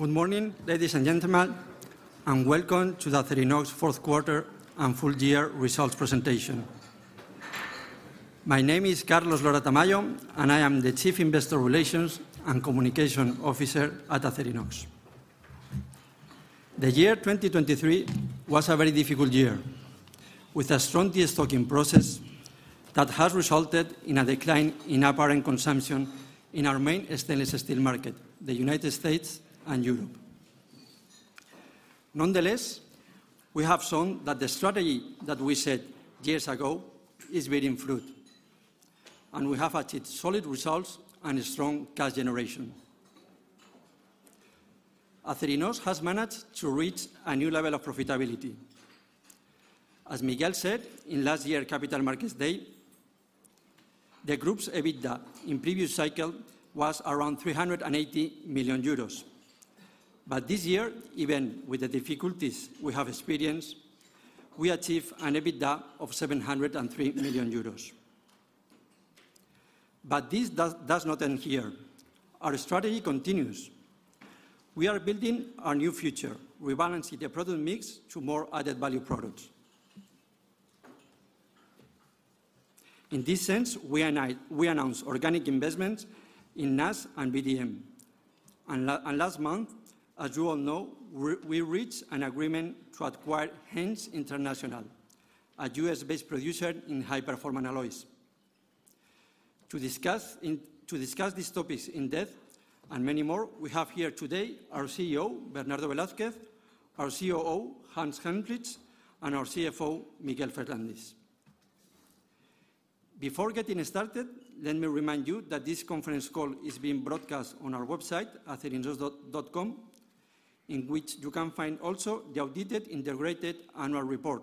Good morning, ladies and gentlemen, and welcome to the Acerinox fourth quarter and full-year results presentation. My name is Carlos Lora-Tamayo, and I am the Chief Investor Relations & Communications Officer at Acerinox. The year 2023 was a very difficult year, with a strong de-stocking process that has resulted in a decline in apparent consumption in our main stainless steel market, the United States and Europe. Nonetheless, we have shown that the strategy that we set years ago is bearing fruit, and we have achieved solid results and strong cash generation. Acerinox has managed to reach a new level of profitability. As Miguel said in last year's Capital Markets Day, the group's EBITDA in previous cycles was around 380 million euros, but this year, even with the difficulties we have experienced, we achieved an EBITDA of 703 million euros. But this does not end here. Our strategy continues. We are building our new future, rebalancing the product mix to more added value products. In this sense, we announced organic investments in NAS and VDM. And last month, as you all know, we reached an agreement to acquire Haynes International, a U.S.-based producer in high-performance alloys. To discuss these topics in depth and many more, we have here today our CEO, Bernardo Velázquez, our COO, Hans Helmrich, and our CFO, Miguel Ferrandis. Before getting started, let me remind you that this conference call is being broadcast on our website, acerinox.com, in which you can find also the updated, integrated annual report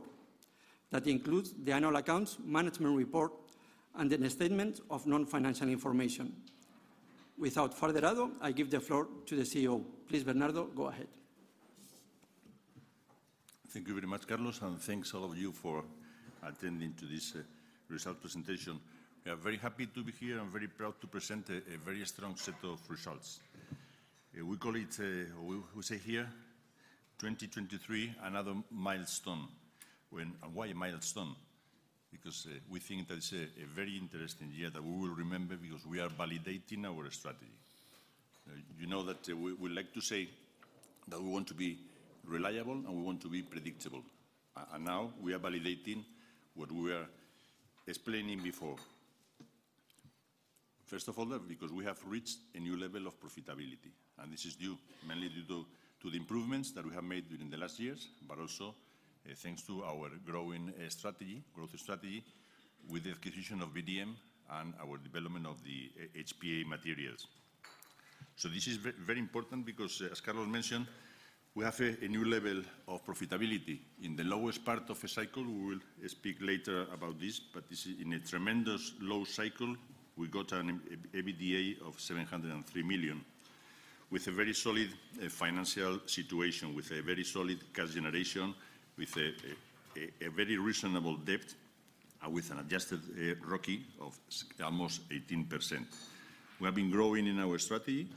that includes the annual accounts management report and the statements of non-financial information. Without further ado, I give the floor to the CEO. Please, Bernardo, go ahead. Thank you very much, Carlos, and thanks all of you for attending to this result presentation. We are very happy to be here and very proud to present a very strong set of results. We call it, or we say here, 2023 another milestone. And why a milestone? Because we think that it's a very interesting year that we will remember because we are validating our strategy. You know that we like to say that we want to be reliable and we want to be predictable. And now we are validating what we were explaining before. First of all, because we have reached a new level of profitability. And this is mainly due to the improvements that we have made during the last years, but also thanks to our growing strategy, growth strategy, with the acquisition of VDM and our development of the HPA materials. So this is very important because, as Carlos mentioned, we have a new level of profitability. In the lowest part of the cycle we will speak later about this, but this is in a tremendous low cycle we got an EBITDA of 703 million, with a very solid financial situation, with a very solid cash generation, with a very reasonable debt, and with an adjusted ROCE of almost 18%. We have been growing in our strategy.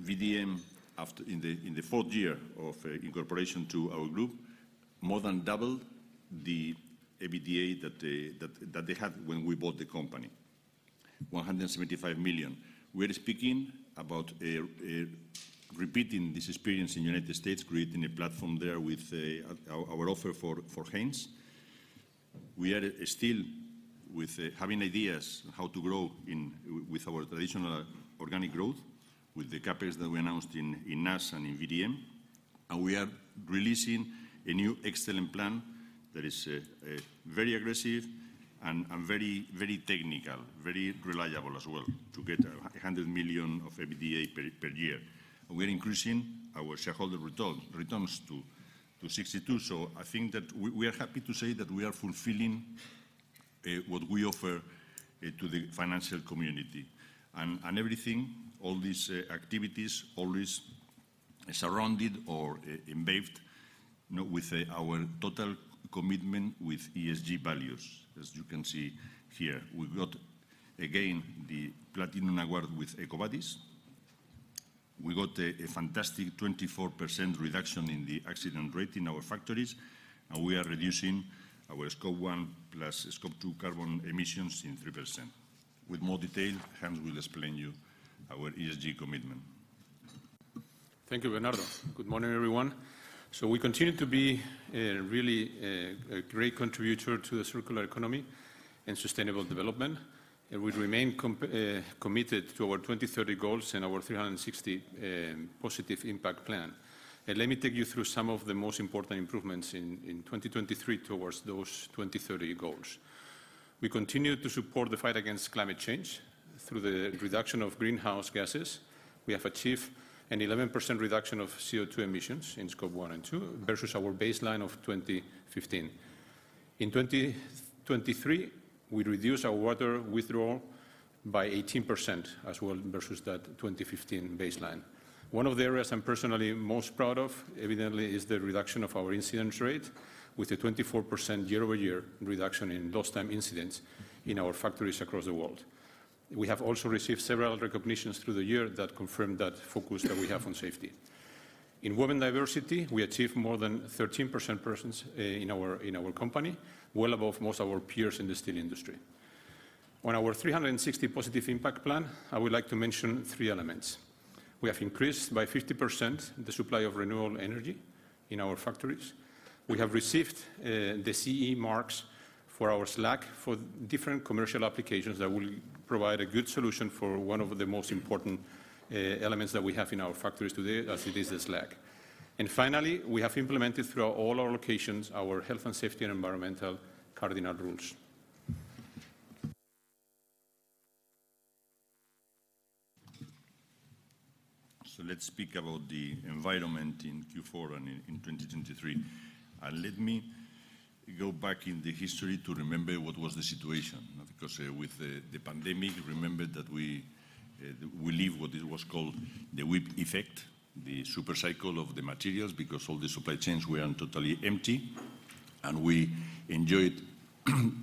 VDM, in the fourth year of incorporation to our group, more than doubled the EBITDA that they had when we bought the company: 175 million. We are speaking about repeating this experience in the United States, creating a platform there with our offer for Haynes. We are still having ideas how to grow with our traditional organic growth, with the capex that we announced in NAS and in VDM. We are releasing a new excellent plan that is very aggressive and very, very technical, very reliable as well, to get 100 million of EBITDA per year. We are increasing our shareholder returns to 62. So I think that we are happy to say that we are fulfilling what we offer to the financial community. Everything, all these activities, always surrounded or embedded with our total commitment with ESG values, as you can see here. We got, again, the Platinum Award with EcoVadis. We got a fantastic 24% reduction in the accident rate in our factories, and we are reducing our Scope 1 plus Scope 2 carbon emissions in 3%. With more detail, Hans will explain to you our ESG commitment. Thank you, Bernardo. Good morning, everyone. We continue to be really a great contributor to the circular economy and sustainable development, and we remain committed to our 2030 goals and our 360 Positive Impact Plan. Let me take you through some of the most important improvements in 2023 towards those 2030 goals. We continue to support the fight against climate change through the reduction of greenhouse gases. We have achieved an 11% reduction of CO2 emissions in Scope 1 and 2 versus our baseline of 2015. In 2023, we reduced our water withdrawal by 18% as well versus that 2015 baseline. One of the areas I'm personally most proud of, evidently, is the reduction of our incident rate, with a 24% year-over-year reduction in lost-time incidents in our factories across the world. We have also received several recognitions through the year that confirm that focus that we have on safety. In women's diversity, we achieved more than 13% presence in our company, well above most of our peers in the steel industry. On our 360 Positive Impact Plan, I would like to mention three elements. We have increased by 50% the supply of renewable energy in our factories. We have received the CE marks for our slag for different commercial applications that will provide a good solution for one of the most important elements that we have in our factories today, as it is the slag. And finally, we have implemented throughout all our locations our health and safety and environmental Cardinal Rules. So let's speak about the environment in Q4 and in 2023. Let me go back in the history to remember what was the situation, because with the pandemic, remember that we live what was called the whip effect, the supercycle of the materials, because all the supply chains were totally empty. And we enjoyed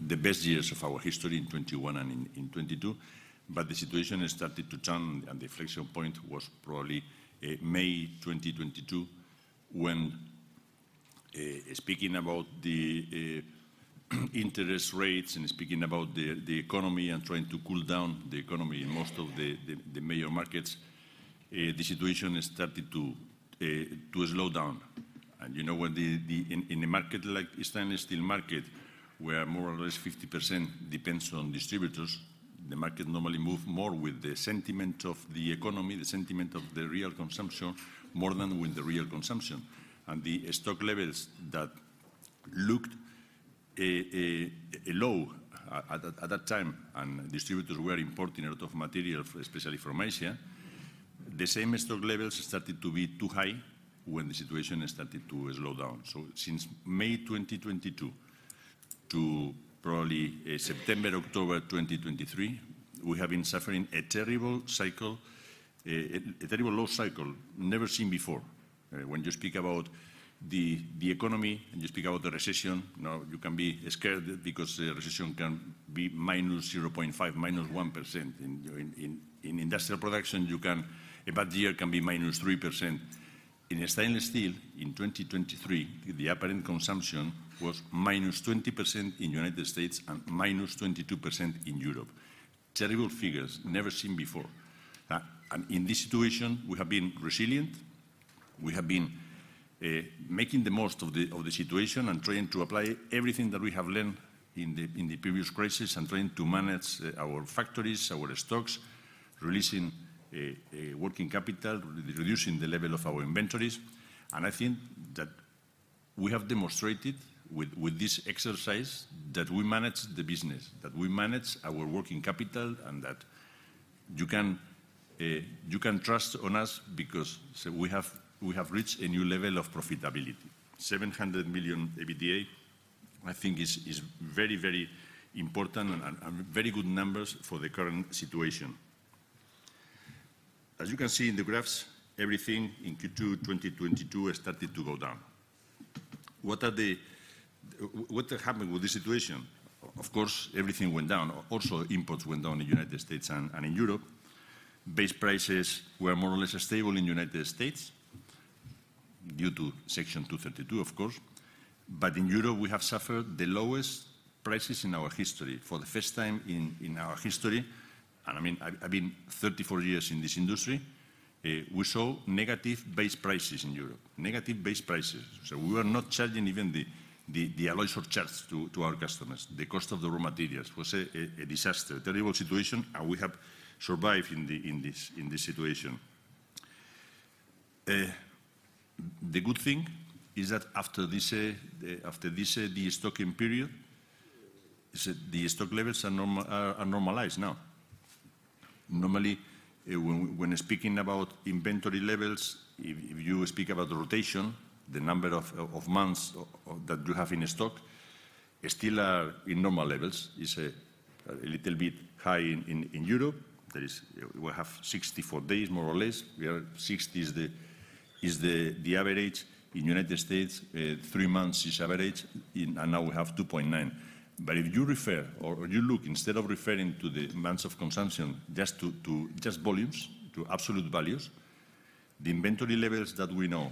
the best years of our history in 2021 and in 2022, but the situation started to turn, and the inflection point was probably May 2022 when, speaking about the interest rates and speaking about the economy and trying to cool down the economy in most of the major markets, the situation started to slow down. And you know what? In a market like the stainless steel market, where more or less 50% depends on distributors, the market normally moves more with the sentiment of the economy, the sentiment of the real consumption, more than with the real consumption. The stock levels that looked low at that time, and distributors were importing a lot of material, especially from Asia, the same stock levels started to be too high when the situation started to slow down. Since May 2022 to probably September, October 2023, we have been suffering a terrible cycle, a terrible low cycle never seen before. When you speak about the economy and you speak about the recession, you can be scared because the recession can be -0.5%, -1%. In industrial production, a bad year can be -3%. In stainless steel, in 2023, the apparent consumption was -20% in the United States and -22% in Europe. Terrible figures never seen before. In this situation, we have been resilient. We have been making the most of the situation and trying to apply everything that we have learned in the previous crisis and trying to manage our factories, our stocks, releasing working capital, reducing the level of our inventories. I think that we have demonstrated with this exercise that we manage the business, that we manage our working capital, and that you can trust on us because we have reached a new level of profitability. 700 million EBITDA, I think, is very, very important and very good numbers for the current situation. As you can see in the graphs, everything in Q2 2022 started to go down. What happened with this situation? Of course, everything went down. Also, imports went down in the United States and in Europe. Base prices were more or less stable in the United States due to Section 232, of course. But in Europe, we have suffered the lowest prices in our history. For the first time in our history and I mean, I've been 34 years in this industry, we saw negative base prices in Europe, negative base prices. We were not charging even the alloys or chrome to our customers. The cost of the raw materials was a disaster, a terrible situation, and we have survived in this situation. The good thing is that after this de-stocking period, the stock levels are normalized now. Normally, when speaking about inventory levels, if you speak about rotation, the number of months that you have in stock still are in normal levels. It's a little bit high in Europe. We have 64 days, more or less. 60 is the average. In the United States, three months is average, and now we have 2.9. But if you refer or you look, instead of referring to the months of consumption, just volumes, to absolute values, the inventory levels that we know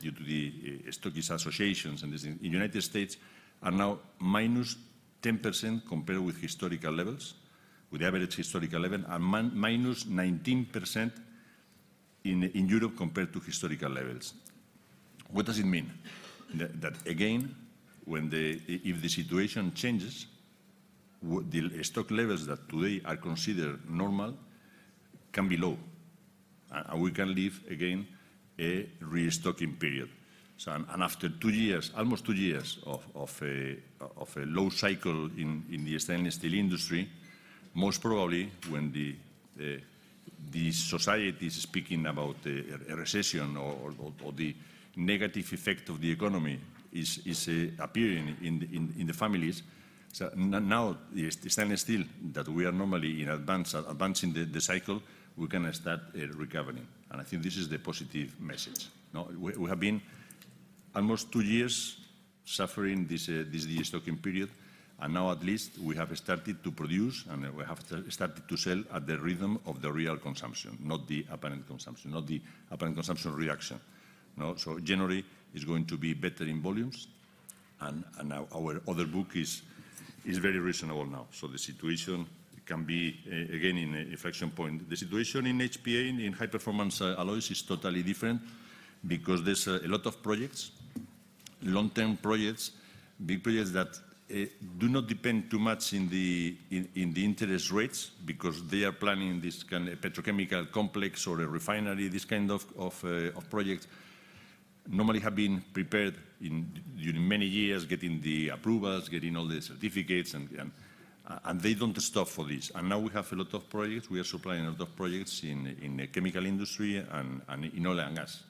due to the stockist associations and this in the United States are now -10% compared with historical levels, with the average historical level, and -19% in Europe compared to historical levels. What does it mean? That, again, if the situation changes, the stock levels that today are considered normal can be low, and we can live, again, a re-stocking period. And after two years, almost two years of a low cycle in the stainless steel industry, most probably when the society is speaking about a recession or the negative effect of the economy is appearing in the families, now the stainless steel that we are normally in advancing the cycle, we can start recovering. And I think this is the positive message. We have been almost two years suffering this de-stocking period, and now at least we have started to produce and we have started to sell at the rhythm of the real consumption, not the apparent consumption, not the apparent consumption reaction. So January is going to be better in volumes, and our order book is very reasonable now. So the situation can be, again, at an inflection point. The situation in HPA, in high-performance alloys, is totally different because there's a lot of projects, long-term projects, big projects that do not depend too much on the interest rates because they are planning this kind of petrochemical complex or a refinery, this kind of project, normally have been prepared during many years, getting the approvals, getting all the certificates, and they don't stop for this. Now we have a lot of projects. We are supplying a lot of projects in the chemical industry and in oil and gas.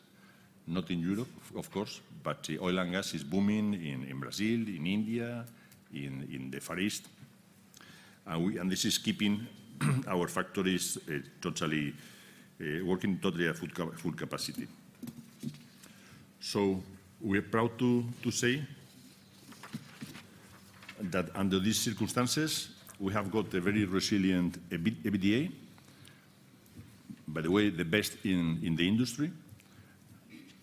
Not in Europe, of course, but oil and gas is booming in Brazil, in India, in the Far East. This is keeping our factories working totally at full capacity. So we are proud to say that under these circumstances, we have got a very resilient EBITDA, by the way, the best in the industry,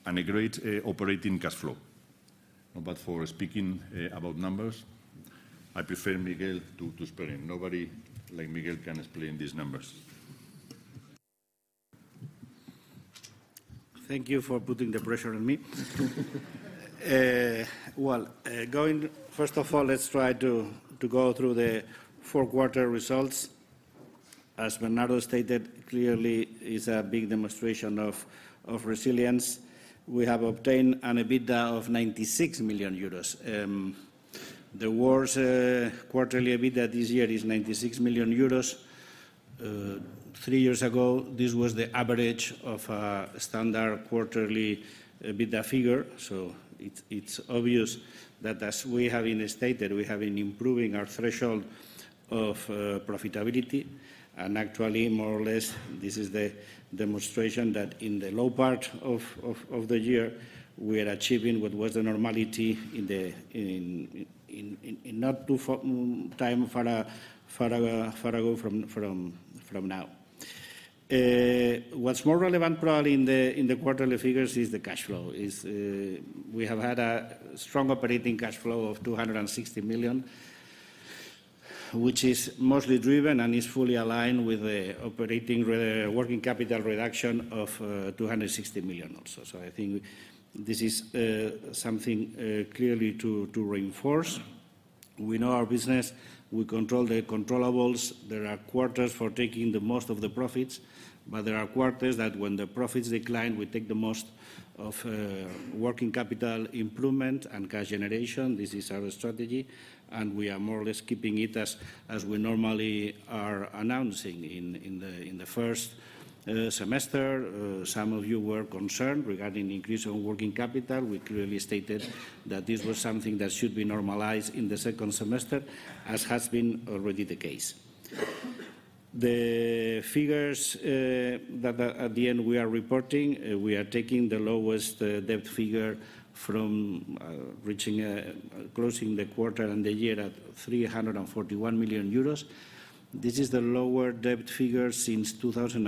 and a great operating cash flow. But for speaking about numbers, I prefer Miguel to explain it. Nobody like Miguel can explain these numbers. Thank you for putting the pressure on me. Well, going first of all, let's try to go through the four-quarter results. As Bernardo stated, clearly, it's a big demonstration of resilience. We have obtained an EBITDA of 96 million euros. The worst quarterly EBITDA this year is 96 million euros. Three years ago, this was the average of a standard quarterly EBITDA figure. So it's obvious that, as we have stated, we have been improving our threshold of profitability. And actually, more or less, this is the demonstration that in the low part of the year, we are achieving what was the normality in not too long time far ago from now. What's more relevant, probably, in the quarterly figures is the cash flow. We have had a strong operating cash flow of 260 million, which is mostly driven and is fully aligned with the working capital reduction of 260 million also. So I think this is something clearly to reinforce. We know our business. We control the controllables. There are quarters for taking the most of the profits, but there are quarters that, when the profits decline, we take the most of working capital improvement and cash generation. This is our strategy, and we are more or less keeping it as we normally are announcing in the first semester. Some of you were concerned regarding the increase in working capital. We clearly stated that this was something that should be normalized in the second semester, as has been already the case. The figures that, at the end, we are reporting, we are taking the lowest debt figure from closing the quarter and the year at 341 million euros. This is the lower debt figure since 2001,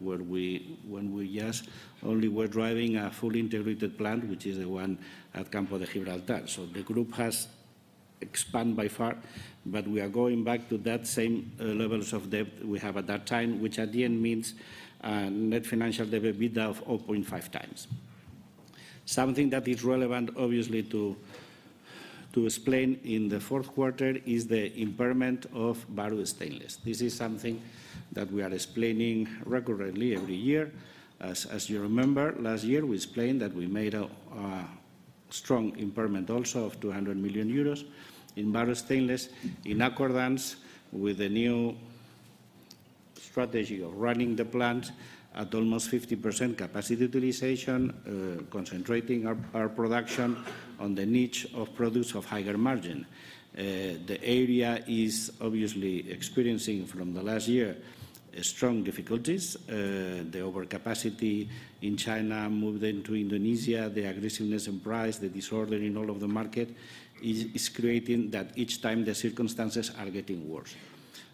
when we just only were driving a fully integrated plant, which is the one at Campo de Gibraltar. So the group has expanded by far, but we are going back to that same levels of debt we have at that time, which, at the end, means net financial debt EBITDA of 0.5x. Something that is relevant, obviously, to explain in the fourth quarter is the impairment of Bahru Stainless. This is something that we are explaining recurrently every year. As you remember, last year, we explained that we made a strong impairment also of 200 million euros in Bahru Stainless in accordance with the new strategy of running the plant at almost 50% capacity utilization, concentrating our production on the niche of products of higher margin. The area is, obviously, experiencing, from the last year, strong difficulties. The overcapacity in China moved into Indonesia. The aggressiveness in price, the disorder in all of the market is creating that each time the circumstances are getting worse.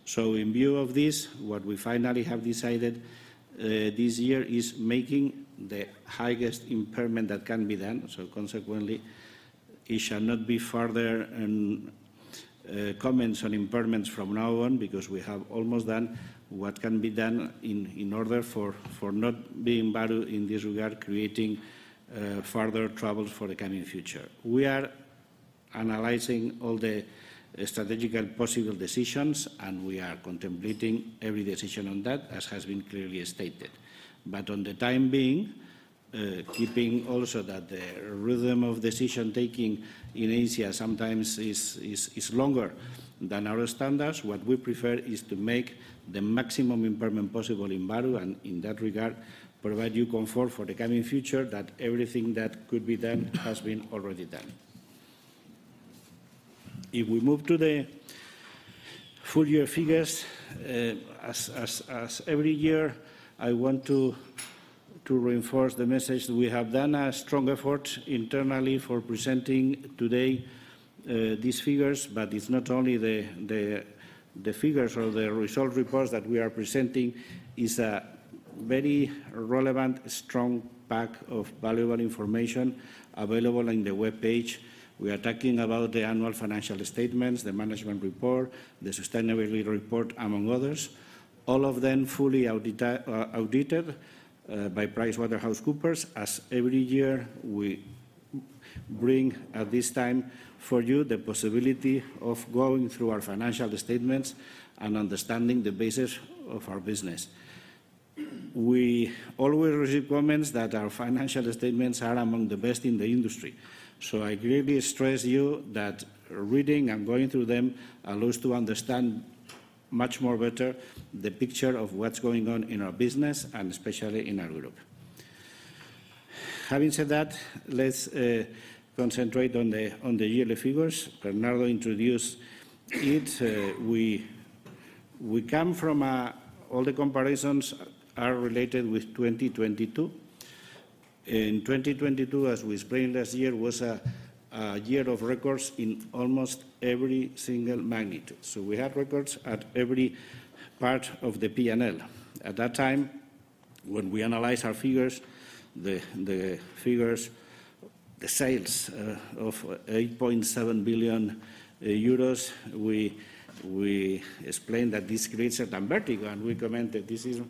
So in view of this, what we finally have decided this year is making the highest impairment that can be done. So consequently, it shall not be further comments on impairments from now on because we have almost done what can be done in order for not being burdened in this regard, creating further troubles for the coming future. We are analyzing all the strategic and possible decisions, and we are contemplating every decision on that, as has been clearly stated. But for the time being, keeping also that the rhythm of decision-making in Asia sometimes is longer than our standards, what we prefer is to make the maximum impairment possible in Bahru and, in that regard, provide you comfort for the coming future that everything that could be done has been already done. If we move to the full-year figures, as every year, I want to reinforce the message that we have done a strong effort internally for presenting today these figures. But it's not only the figures or the result reports that we are presenting. It's a very relevant, strong pack of valuable information available on the web page. We are talking about the annual financial statements, the management report, the sustainability report, among others, all of them fully audited by PricewaterhouseCoopers. As every year, we bring, at this time, for you the possibility of going through our financial statements and understanding the basis of our business. We always receive comments that our financial statements are among the best in the industry. So I clearly stress to you that reading and going through them allows us to understand much better the picture of what's going on in our business and especially in our group. Having said that, let's concentrate on the yearly figures. Bernardo introduced it. We come from all the comparisons are related with 2022. In 2022, as we explained last year, was a year of records in almost every single magnitude. So we had records at every part of the P&L. At that time, when we analyzed our figures, the sales, 8.7 billion euros, we explained that this creates a certain vertigo. And we commented this is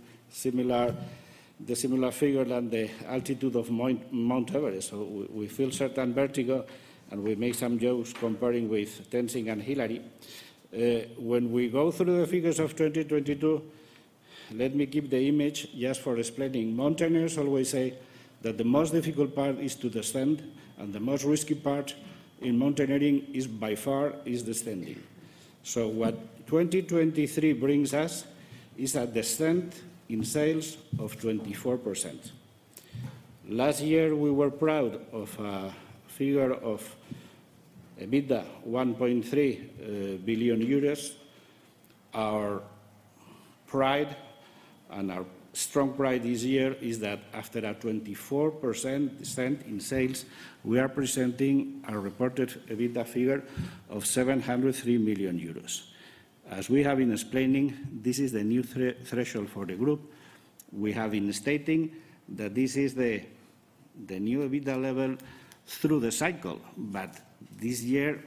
the similar figure than the altitude of Mount Everest. So we feel a certain vertigo, and we make some jokes comparing with Tenzing and Hillary. When we go through the figures of 2022, let me keep the image just for explaining. Mountaineers always say that the most difficult part is to descend, and the most risky part in mountaineering is, by far, the descending. So what 2023 brings us is a descent in sales of 24%. Last year, we were proud of a figure of EBITDA 1.3 billion euros. Our pride and our strong pride this year is that, after a 24% descent in sales, we are presenting a reported EBITDA figure of 703 million euros. As we have been explaining, this is the new threshold for the group. We have been stating that this is the new EBITDA level through the cycle. But this year,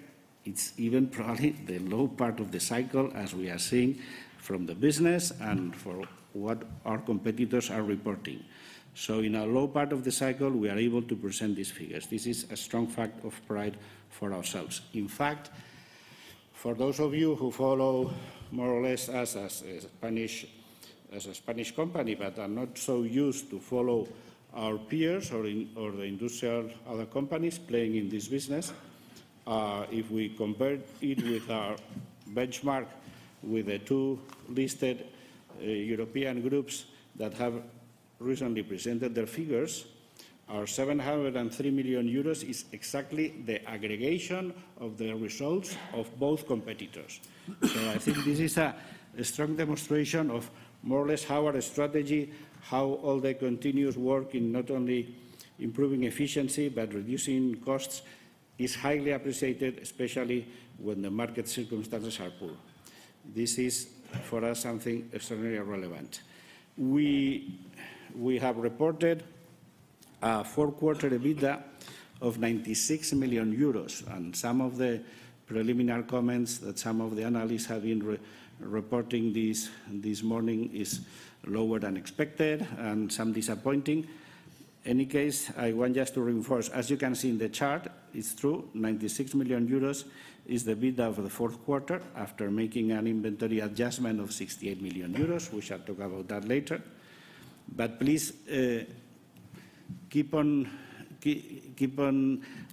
it's even probably the low part of the cycle, as we are seeing from the business and from what our competitors are reporting. So in a low part of the cycle, we are able to present these figures. This is a strong fact of pride for ourselves. In fact, for those of you who follow more or less us as a Spanish company but are not so used to following our peers or the industrial other companies playing in this business, if we compare it with our benchmark with the two listed European groups that have recently presented their figures, our 703 million euros is exactly the aggregation of the results of both competitors. I think this is a strong demonstration of more or less how our strategy, how all the continuous work in not only improving efficiency but reducing costs is highly appreciated, especially when the market circumstances are poor. This is, for us, something extraordinarily relevant. We have reported a four-quarter EBITDA of 96 million euros. Some of the preliminary comments that some of the analysts have been reporting this morning are lower than expected and some disappointing. In any case, I want just to reinforce, as you can see in the chart, it's true. 96 million euros is the EBITDA of the fourth quarter after making an inventory adjustment of 68 million euros. We shall talk about that later. But please keep an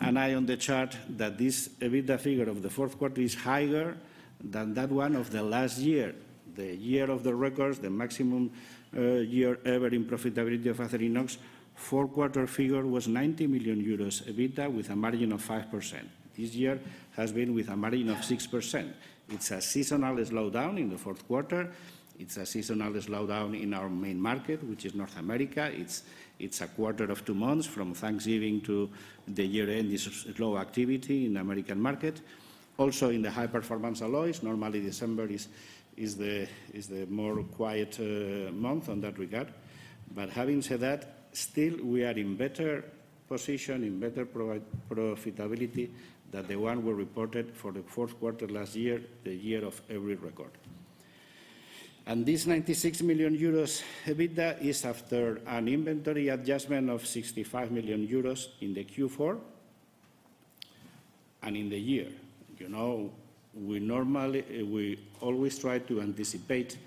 eye on the chart that this EBITDA figure of the fourth quarter is higher than that one of the last year, the year of the records, the maximum year ever in profitability of Acerinox. Four-quarter figure was 90 million euros EBITDA with a margin of 5%. This year has been with a margin of 6%. It's a seasonal slowdown in the fourth quarter. It's a seasonal slowdown in our main market, which is North America. It's a quarter of two months from Thanksgiving to the year-end is low activity in the American market. Also, in the high-performance alloys, normally, December is the more quiet month in that regard. But having said that, still, we are in better position, in better profitability than the one we reported for the fourth quarter last year, the year of every record. This 96 million euros EBITDA is after an inventory adjustment of 65 million euros in the Q4 and in the year. We always try to anticipate.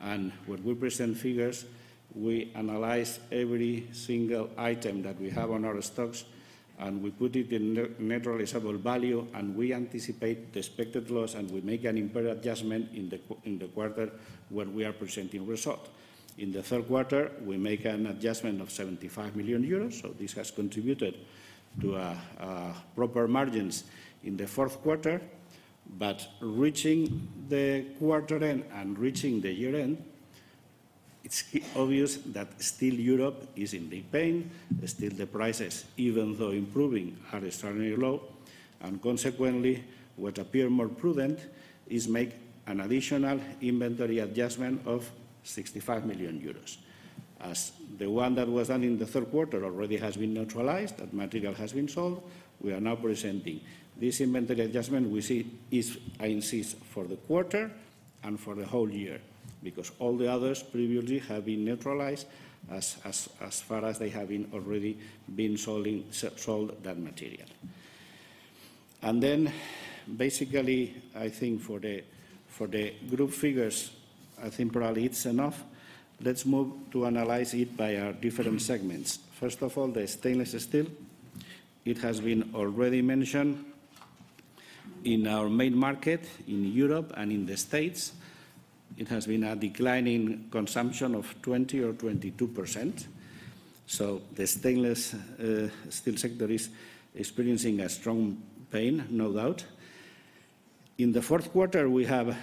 And when we present figures, we analyze every single item that we have on our stocks, and we put it in net realizable value. And we anticipate the expected loss, and we make an impaired adjustment in the quarter when we are presenting results. In the third quarter, we make an adjustment of 75 million euros. This has contributed to proper margins in the fourth quarter. Reaching the quarter end and reaching the year-end, it's obvious that still Europe is in deep pain. Still, the prices, even though improving, are extraordinarily low. And consequently, what appears more prudent is to make an additional inventory adjustment of 65 million euros. As the one that was done in the third quarter already has been neutralized, that material has been sold, we are now presenting this inventory adjustment. We see it insists for the quarter and for the whole year because all the others previously have been neutralized as far as they have already been sold that material. Then, basically, I think for the group figures, I think probably it's enough. Let's move to analyze it by our different segments. First of all, the stainless steel. It has been already mentioned. In our main market, in Europe and in the States, it has been a declining consumption of 20%-22%. So the stainless steel sector is experiencing a strong pain, no doubt. In the fourth quarter, we have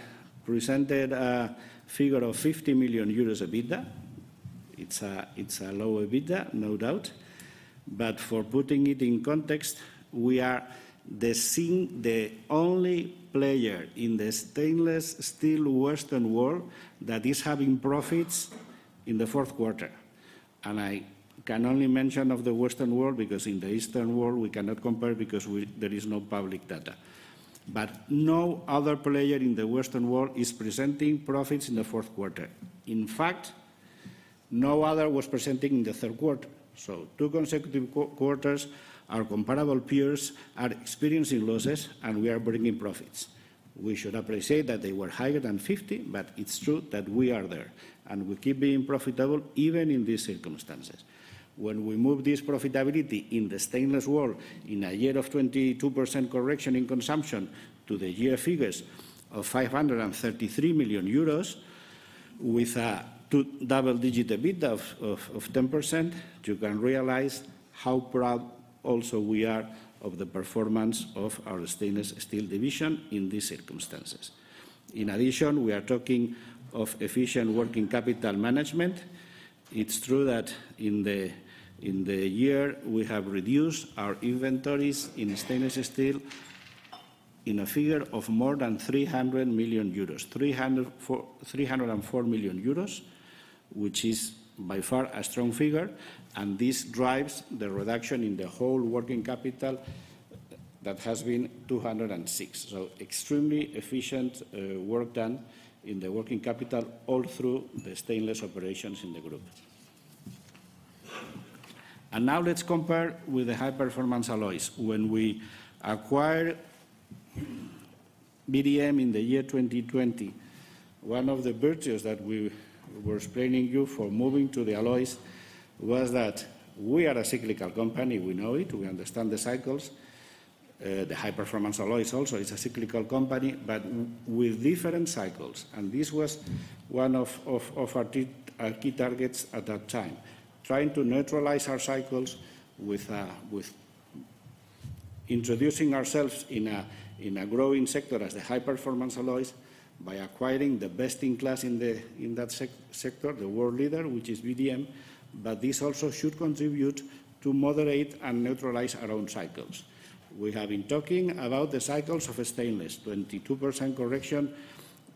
presented a figure of 50 million euros EBITDA. It's a low EBITDA, no doubt. But for putting it in context, we are the only player in the stainless steel Western world that is having profits in the fourth quarter. And I can only mention of the Western world because, in the Eastern world, we cannot compare because there is no public data. But no other player in the Western world is presenting profits in the fourth quarter. In fact, no other was presenting in the third quarter. So two consecutive quarters, our comparable peers are experiencing losses, and we are bringing profits. We should appreciate that they were higher than 50, but it's true that we are there, and we keep being profitable even in these circumstances. When we move this profitability in the stainless world, in a year of 22% correction in consumption, to the year figures of 533 million euros with a double-digit EBITDA of 10%, you can realize how proud also we are of the performance of our stainless steel division in these circumstances. In addition, we are talking of efficient working capital management. It's true that, in the year, we have reduced our inventories in stainless steel in a figure of more than 300 million euros, 304 million euros, which is, by far, a strong figure. And this drives the reduction in the whole working capital that has been 206 million. So extremely efficient work done in the working capital all through the stainless operations in the group. And now let's compare with the high-performance alloys. When we acquired VDM in the year 2020, one of the virtues that we were explaining to you for moving to the alloys was that we are a cyclical company. We know it. We understand the cycles. The high-performance alloys also. It's a cyclical company but with different cycles. And this was one of our key targets at that time, trying to neutralize our cycles with introducing ourselves in a growing sector as the high-performance alloys by acquiring the best-in-class in that sector, the world leader, which is VDM. But this also should contribute to moderate and neutralize our own cycles. We have been talking about the cycles of stainless, 22% correction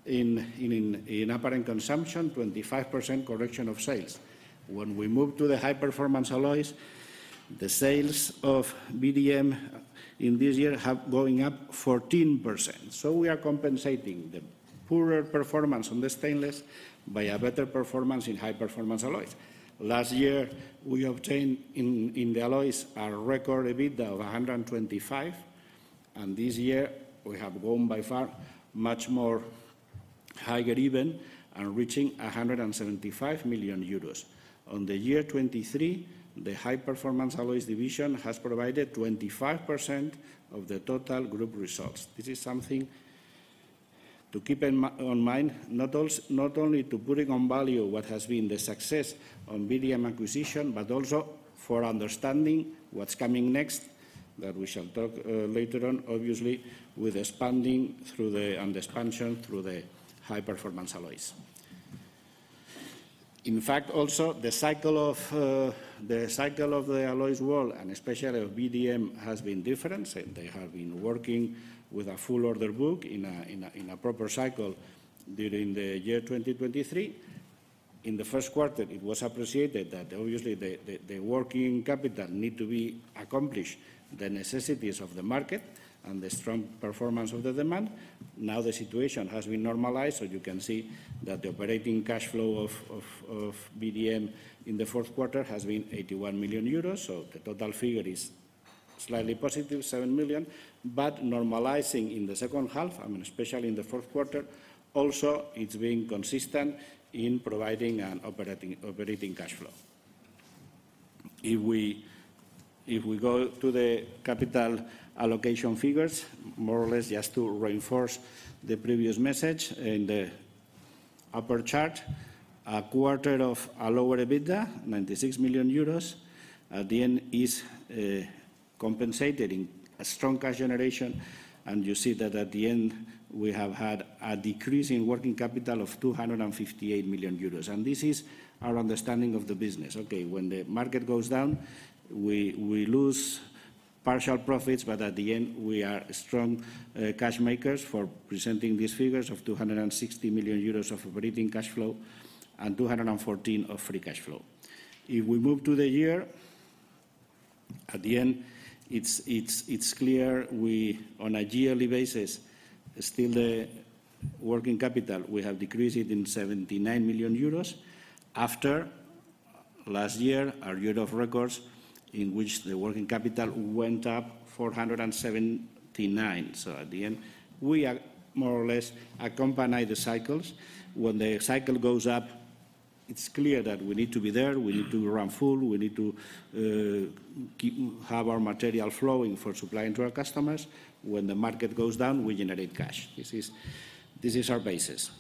in apparent consumption, 25% correction of sales. When we move to the high-performance alloys, the sales of VDM in this year are going up 14%. So we are compensating the poorer performance on the stainless by a better performance in high-performance alloys. Last year, we obtained, in the alloys, a record EBITDA of 125 million. And this year, we have gone, by far, much higher even and reaching 175 million euros. In 2023, the high-performance alloys division has provided 25% of the total group results. This is something to keep in mind, not only to put it on value, what has been the success on VDM acquisition but also for understanding what's coming next that we shall talk later on, obviously, with expanding and expansion through the high-performance alloys. In fact, also, the cycle of the alloys world and especially of VDM has been different. They have been working with a full order book in a proper cycle during the year 2023. In the first quarter, it was appreciated that, obviously, the working capital needs to accomplish the necessities of the market and the strong performance of the demand. Now, the situation has been normalized. So you can see that the operating cash flow of VDM in the fourth quarter has been 81 million euros. So the total figure is slightly positive, 7 million. But normalizing in the second half, I mean, especially in the fourth quarter, also, it's been consistent in providing an operating cash flow. If we go to the capital allocation figures, more or less, just to reinforce the previous message, in the upper chart, a quarter of a lower EBITDA, 96 million euros, at the end is compensated in strong cash generation. And you see that, at the end, we have had a decrease in working capital of 258 million euros. This is our understanding of the business. Okay, when the market goes down, we lose partial profits. At the end, we are strong cashmakers for presenting these figures of 260 million euros of operating cash flow and 214 million of free cash flow. If we move to the year, at the end, it's clear, on a yearly basis, still, the working capital, we have decreased it in 79 million euros after last year, our year of records, in which the working capital went up 479 million. At the end, we, more or less, accompany the cycles. When the cycle goes up, it's clear that we need to be there. We need to run full. We need to have our material flowing for supplying to our customers. When the market goes down, we generate cash. This is our basis.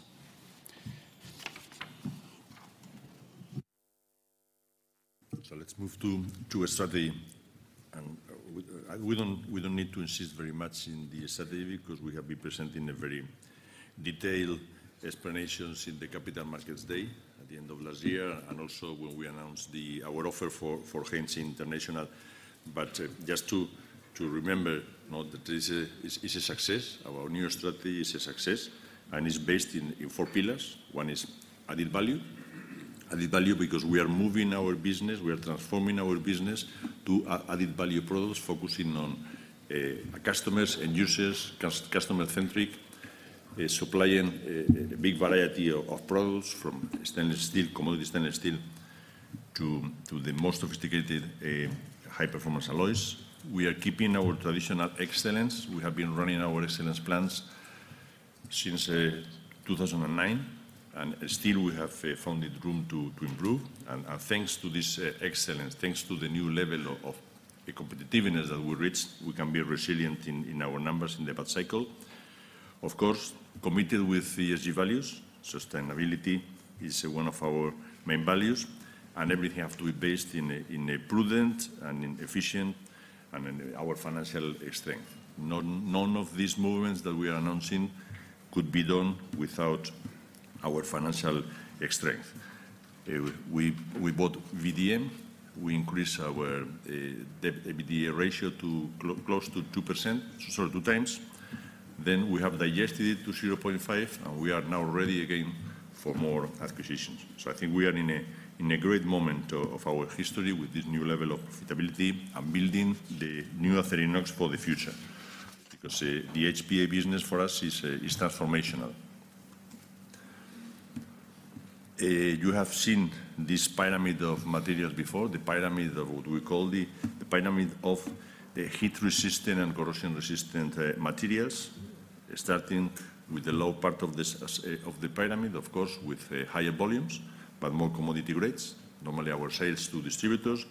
So let's move to a study. We don't need to insist very much in the study because we have been presenting very detailed explanations in the Capital Markets Day at the end of last year and also when we announced our offer for Haynes International. Just to remember that it's a success. Our new strategy is a success. It's based in four pillars. One is added value. Added value because we are moving our business. We are transforming our business to added value products focusing on customers and users, customer-centric, supplying a big variety of products from commodity stainless steel to the most sophisticated high-performance alloys. We are keeping our traditional excellence. We have been running our excellence plans since 2009. Still, we have found room to improve. Thanks to this excellence, thanks to the new level of competitiveness that we reach, we can be resilient in our numbers in the bad cycle, of course, committed with ESG values. Sustainability is one of our main values. Everything has to be based in prudent and in efficient and in our financial strength. None of these movements that we are announcing could be done without our financial strength. We bought VDM. We increased our EBITDA ratio to close to 2%, sorry, 2 times. Then we have digested it to 0.5. We are now ready again for more acquisitions. I think we are in a great moment of our history with this new level of profitability and building the new Acerinox for the future because the HPA business, for us, is transformational. You have seen this pyramid of materials before, the pyramid of what we call the pyramid of heat-resistant and corrosion-resistant materials, starting with the low part of the pyramid, of course, with higher volumes but more commodity grades, normally our sales to distributors.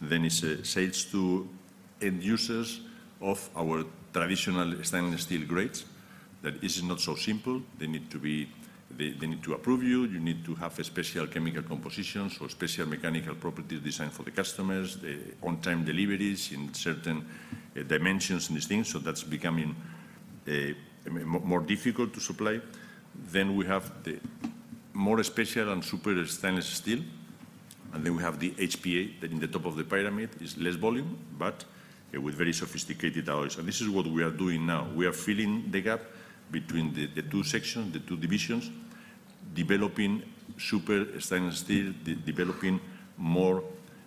Then it's sales to end users of our traditional stainless steel grades. That is not so simple. They need to approve you. You need to have special chemical compositions or special mechanical properties designed for the customers, the on-time deliveries in certain dimensions and these things. So that's becoming more difficult to supply. Then we have the more special and super stainless steel. And then we have the HPA that, in the top of the pyramid, is less volume but with very sophisticated alloys. And this is what we are doing now. We are filling the gap between the two sections, the two divisions, developing super stainless steel, developing more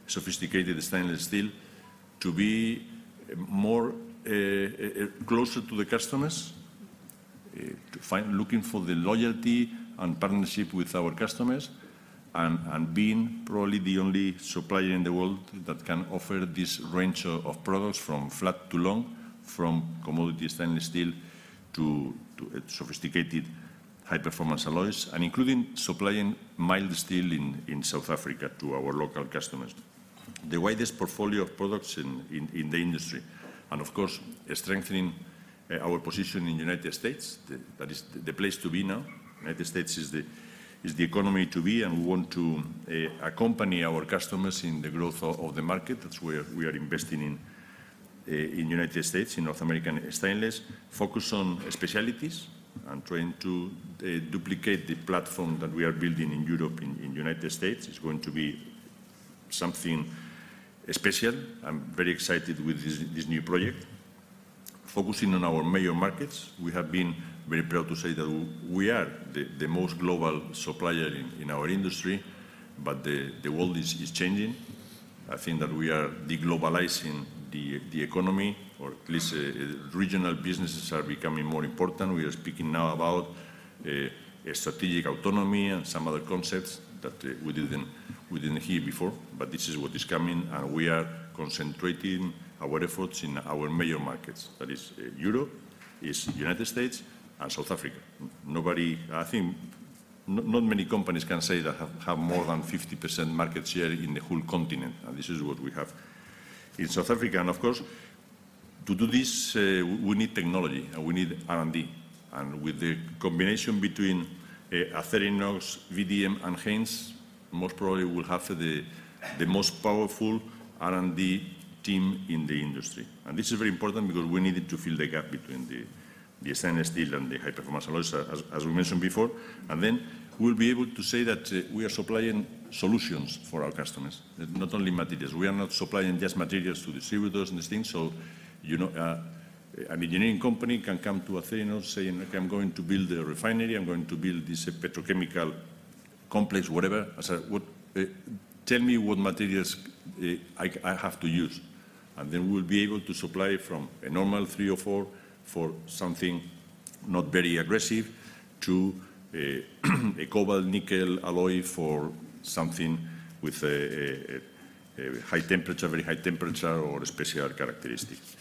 sophisticated stainless steel to be closer to the customers, looking for the loyalty and partnership with our customers, and being probably the only supplier in the world that can offer this range of products from flat to long, from commodity stainless steel to sophisticated high-performance alloys, and including supplying mild steel in South Africa to our local customers, the widest portfolio of products in the industry, and, of course, strengthening our position in the United States. That is the place to be now. The United States is the economy to be. And we want to accompany our customers in the growth of the market. That's where we are investing in the United States, in North American Stainless, focus on specialties and trying to duplicate the platform that we are building in Europe, in the United States. It's going to be something special. I'm very excited with this new project, focusing on our major markets. We have been very proud to say that we are the most global supplier in our industry. But the world is changing. I think that we are deglobalizing the economy. Or at least, regional businesses are becoming more important. We are speaking now about strategic autonomy and some other concepts that we didn't hear before. But this is what is coming. And we are concentrating our efforts in our major markets. That is Europe, the United States, and South Africa. I think not many companies can say that have more than 50% market share in the whole continent. This is what we have in South Africa. Of course, to do this, we need technology. We need R&D. With the combination between Acerinox, VDM, and Haynes, most probably, we'll have the most powerful R&D team in the industry. This is very important because we need it to fill the gap between the stainless steel and the high-performance alloys, as we mentioned before. Then we'll be able to say that we are supplying solutions for our customers, not only materials. We are not supplying just materials to distributors and these things. So an engineering company can come to Acerinox saying, "Okay, I'm going to build a refinery. I'm going to build this petrochemical complex, whatever. Tell me what materials I have to use." Then we'll be able to supply from a normal 3 or 4 for something not very aggressive to a cobalt-nickel alloy for something with a high temperature, very high temperature, or special characteristics.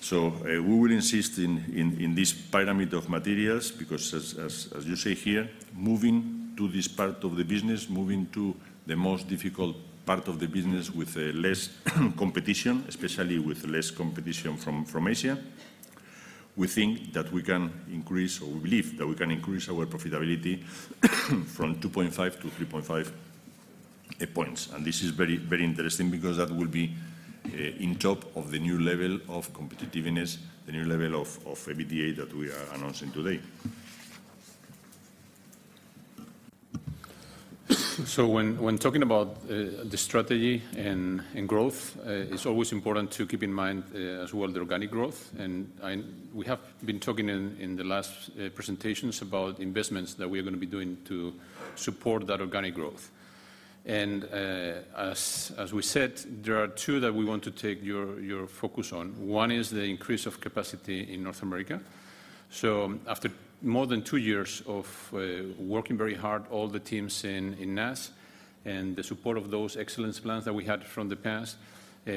So we will insist in this pyramid of materials because, as you say here, moving to this part of the business, moving to the most difficult part of the business with less competition, especially with less competition from Asia, we think that we can increase or we believe that we can increase our profitability from 2.5-3.5 points. This is very, very interesting because that will be in top of the new level of competitiveness, the new level of EBITDA that we are announcing today. So when talking about the strategy and growth, it's always important to keep in mind, as well, the organic growth. We have been talking in the last presentations about investments that we are going to be doing to support that organic growth. And as we said, there are two that we want to take your focus on. One is the increase of capacity in North America. So after more than two years of working very hard, all the teams in NAS and the support of those excellence plans that we had from the past,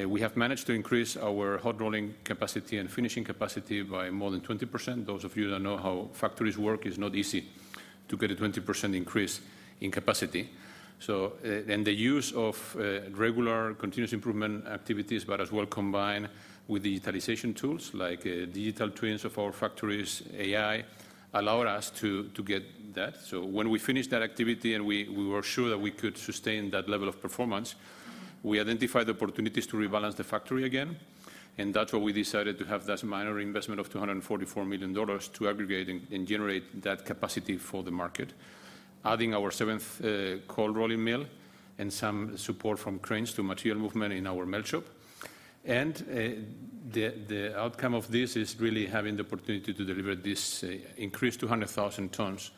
we have managed to increase our hot-rolling capacity and finishing capacity by more than 20%. Those of you that know how factories work, it's not easy to get a 20% increase in capacity. The use of regular continuous improvement activities but as well combined with digitalization tools like digital twins of our factories, AI, allowed us to get that. When we finished that activity and we were sure that we could sustain that level of performance, we identified opportunities to rebalance the factory again. That's why we decided to have that minor investment of $244 million to aggregate and generate that capacity for the market, adding our seventh cold-rolling mill and some support from cranes to material movement in our mill shop. The outcome of this is really having the opportunity to deliver this increased 200,000 tons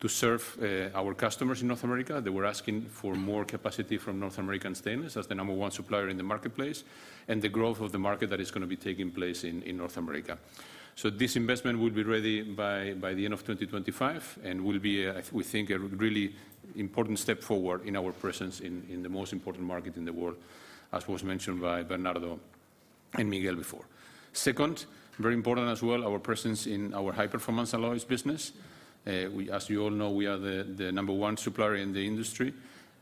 to serve our customers in North America. They were asking for more capacity from North American Stainless as the number one supplier in the marketplace and the growth of the market that is going to be taking place in North America. So this investment will be ready by the end of 2025 and will be, we think, a really important step forward in our presence in the most important market in the world, as was mentioned by Bernardo and Miguel before. Second, very important as well, our presence in our high-performance alloys business. As you all know, we are the number one supplier in the industry.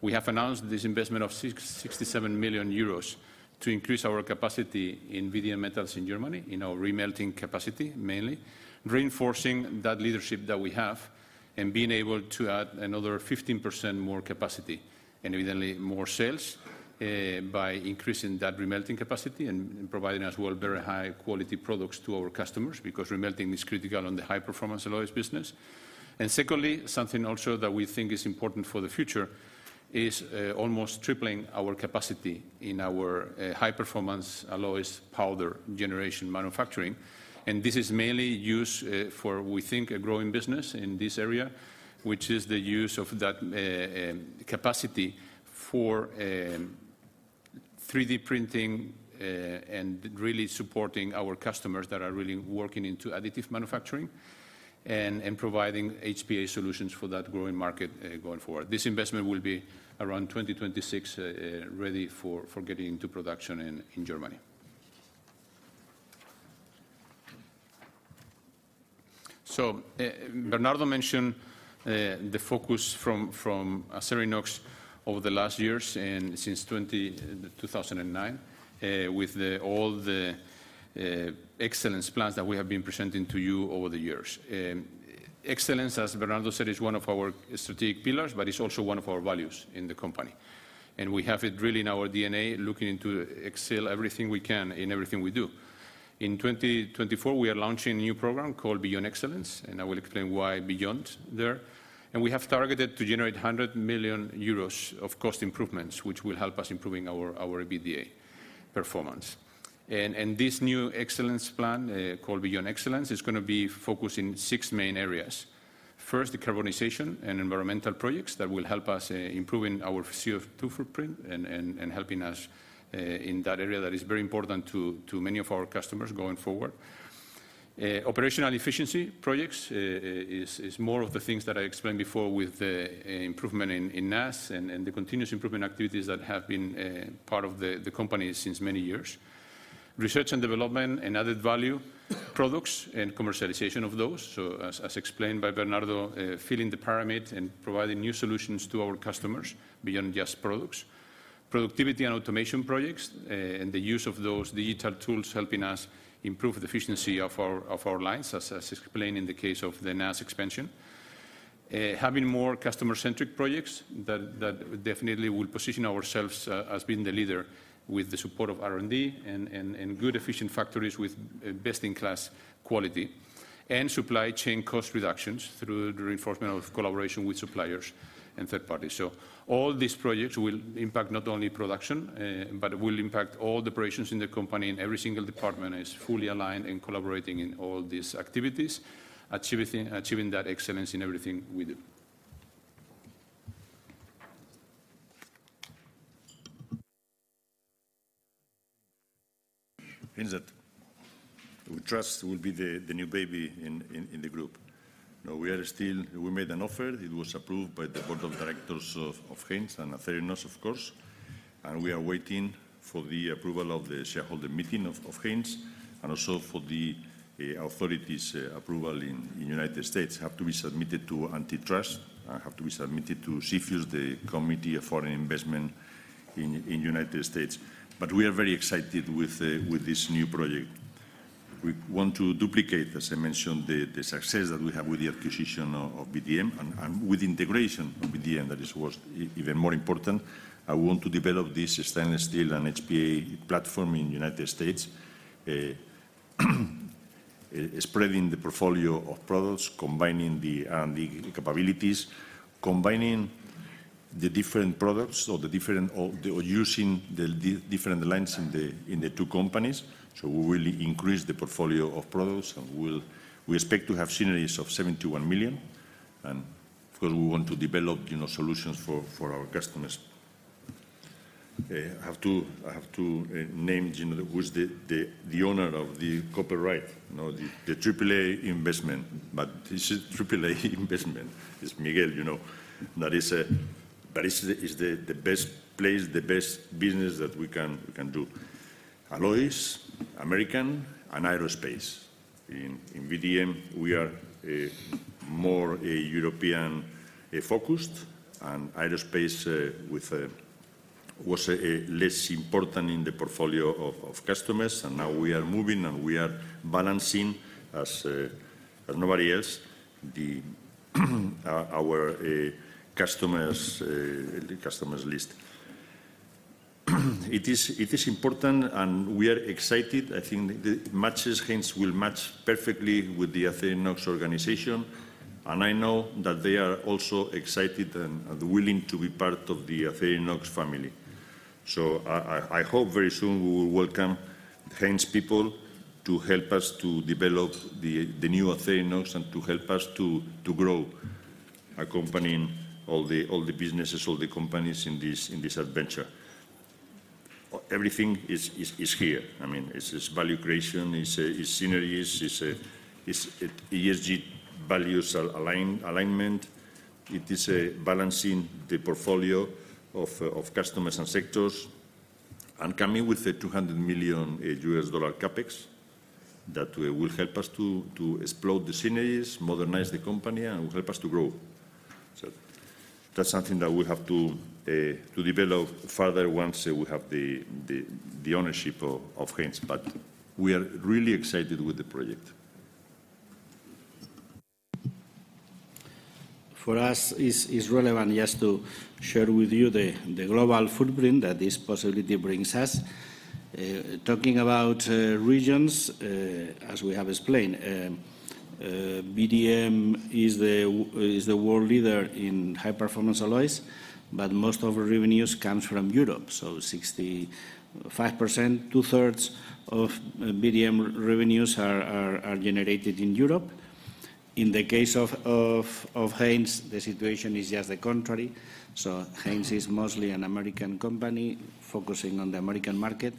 We have announced this investment of 67 million euros to increase our capacity in VDM Metals in Germany, in our remelting capacity mainly, reinforcing that leadership that we have and being able to add another 15% more capacity and, evidently, more sales by increasing that remelting capacity and providing, as well, very high-quality products to our customers because remelting is critical on the high-performance alloys business. Secondly, something also that we think is important for the future is almost tripling our capacity in our high-performance alloys powder generation manufacturing. And this is mainly used for, we think, a growing business in this area, which is the use of that capacity for 3D printing and really supporting our customers that are really working into additive manufacturing and providing HPA solutions for that growing market going forward. This investment will be around 2026 ready for getting into production in Germany. So Bernardo mentioned the focus from Acerinox over the last years and since 2009 with all the excellence plans that we have been presenting to you over the years. Excellence, as Bernardo said, is one of our strategic pillars, but it's also one of our values in the company. And we have it really in our DNA, looking into excel everything we can in everything we do. In 2024, we are launching a new program called Beyond Excellence. I will explain why beyond there. We have targeted to generate 100 million euros of cost improvements, which will help us improving our EBITDA performance. This new excellence plan called Beyond Excellence is going to be focused in six main areas. First, the carbonization and environmental projects that will help us improving our CO2 footprint and helping us in that area that is very important to many of our customers going forward. Operational efficiency projects is more of the things that I explained before with the improvement in NAS and the continuous improvement activities that have been part of the company since many years. Research and development and added value products and commercialization of those, so as explained by Bernardo, filling the pyramid and providing new solutions to our customers beyond just products. Productivity and automation projects and the use of those digital tools helping us improve the efficiency of our lines, as explained in the case of the NAS expansion. Having more customer-centric projects that definitely will position ourselves as being the leader with the support of R&D and good, efficient factories with best-in-class quality and supply chain cost reductions through the reinforcement of collaboration with suppliers and third parties. So all these projects will impact not only production but will impact all the operations in the company. And every single department is fully aligned and collaborating in all these activities, achieving that excellence in everything we do. Haynes will be the new baby in the group. We made an offer. It was approved by the board of directors of Haynes and Acerinox, of course. We are waiting for the approval of the shareholder meeting of Haynes and also for the authorities' approval in the United States. It has to be submitted to Antitrust. It has to be submitted to CFIUS, the Committee on Foreign Investment in the United States. We are very excited with this new project. We want to duplicate, as I mentioned, the success that we have with the acquisition of VDM and with integration of VDM. That is what's even more important. I want to develop this stainless steel and HPA platform in the United States, spreading the portfolio of products, combining the R&D capabilities, combining the different products or using the different lines in the two companies. We will increase the portfolio of products. We expect to have synergies of 71 million. Of course, we want to develop solutions for our customers. I have to name who is the owner of the copyright, the Haynes investment. But this is Haynes investment. It's Miguel, you know. But it's the best place, the best business that we can do. Alloys, American, and aerospace. In VDM, we are more European-focused. Aerospace was less important in the portfolio of customers. Now we are moving. We are balancing, as nobody else, our customers' list. It is important. We are excited. I think Haynes will match perfectly with the Acerinox organization. I know that they are also excited and willing to be part of the Acerinox family. So I hope very soon we will welcome Haynes people to help us to develop the new Acerinox and to help us to grow, accompanying all the businesses, all the companies in this adventure. Everything is here. I mean, it's value creation. It's synergies. It's ESG values alignment. It is balancing the portfolio of customers and sectors and coming with a $200 million CapEx that will help us to explode the synergies, modernize the company, and will help us to grow. So that's something that we have to develop further once we have the ownership of Haynes. But we are really excited with the project. For us, it's relevant just to share with you the global footprint that this possibility brings us. Talking about regions, as we have explained, VDM is the world leader in high-performance alloys. But most of our revenues comes from Europe. So 65%, two-thirds of VDM revenues are generated in Europe. In the case of Haynes, the situation is just the contrary. So Haynes is mostly an American company focusing on the American market.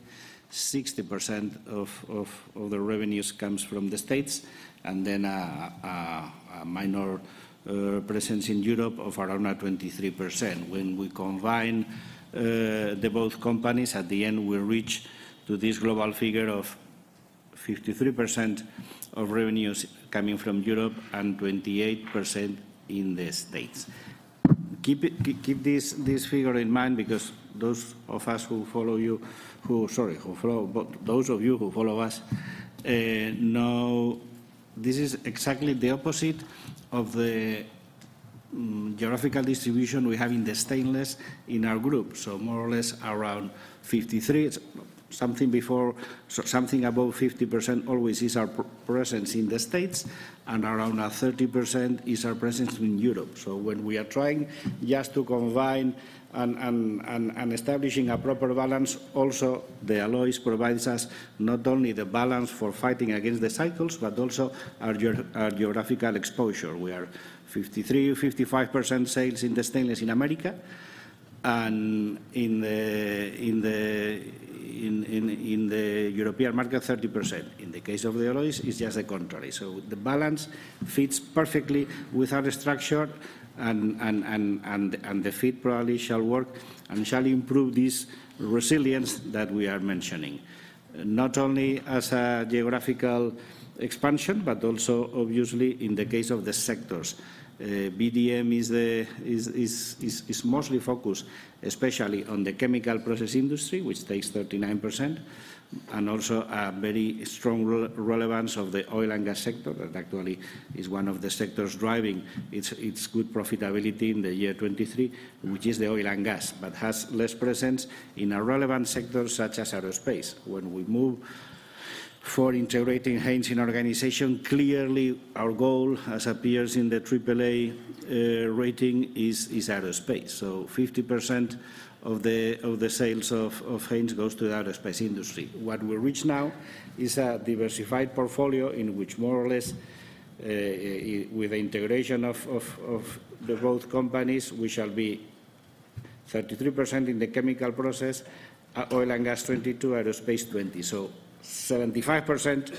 60% of the revenues comes from the States. And then a minor presence in Europe of around 23%. When we combine the both companies, at the end, we reach this global figure of 53% of revenues coming from Europe and 28% in the States. Keep this figure in mind because those of you who follow us know this is exactly the opposite of the geographical distribution we have in the stainless in our group. So more or less around 53, something above 50% always is our presence in the States. And around 30% is our presence in Europe. So when we are trying just to combine and establishing a proper balance, also, the alloys provide us not only the balance for fighting against the cycles but also our geographical exposure. We are 53%-55% sales in the stainless in America. And in the European market, 30%. In the case of the alloys, it's just the contrary. So the balance fits perfectly with our structure. The fit probably shall work and shall improve this resilience that we are mentioning, not only as a geographical expansion but also, obviously, in the case of the sectors. VDM is mostly focused, especially, on the chemical process industry, which takes 39%, and also a very strong relevance of the oil and gas sector that actually is one of the sectors driving its good profitability in the year 2023, which is the oil and gas but has less presence in a relevant sector such as aerospace. When we move for integrating Haynes in organization, clearly, our goal, as appears in the AAA rating, is aerospace. So 50% of the sales of Haynes goes to the aerospace industry. What we reach now is a diversified portfolio in which, more or less, with the integration of both companies, which shall be 33% in the chemical process, oil and gas 22%, aerospace 20%. So 75%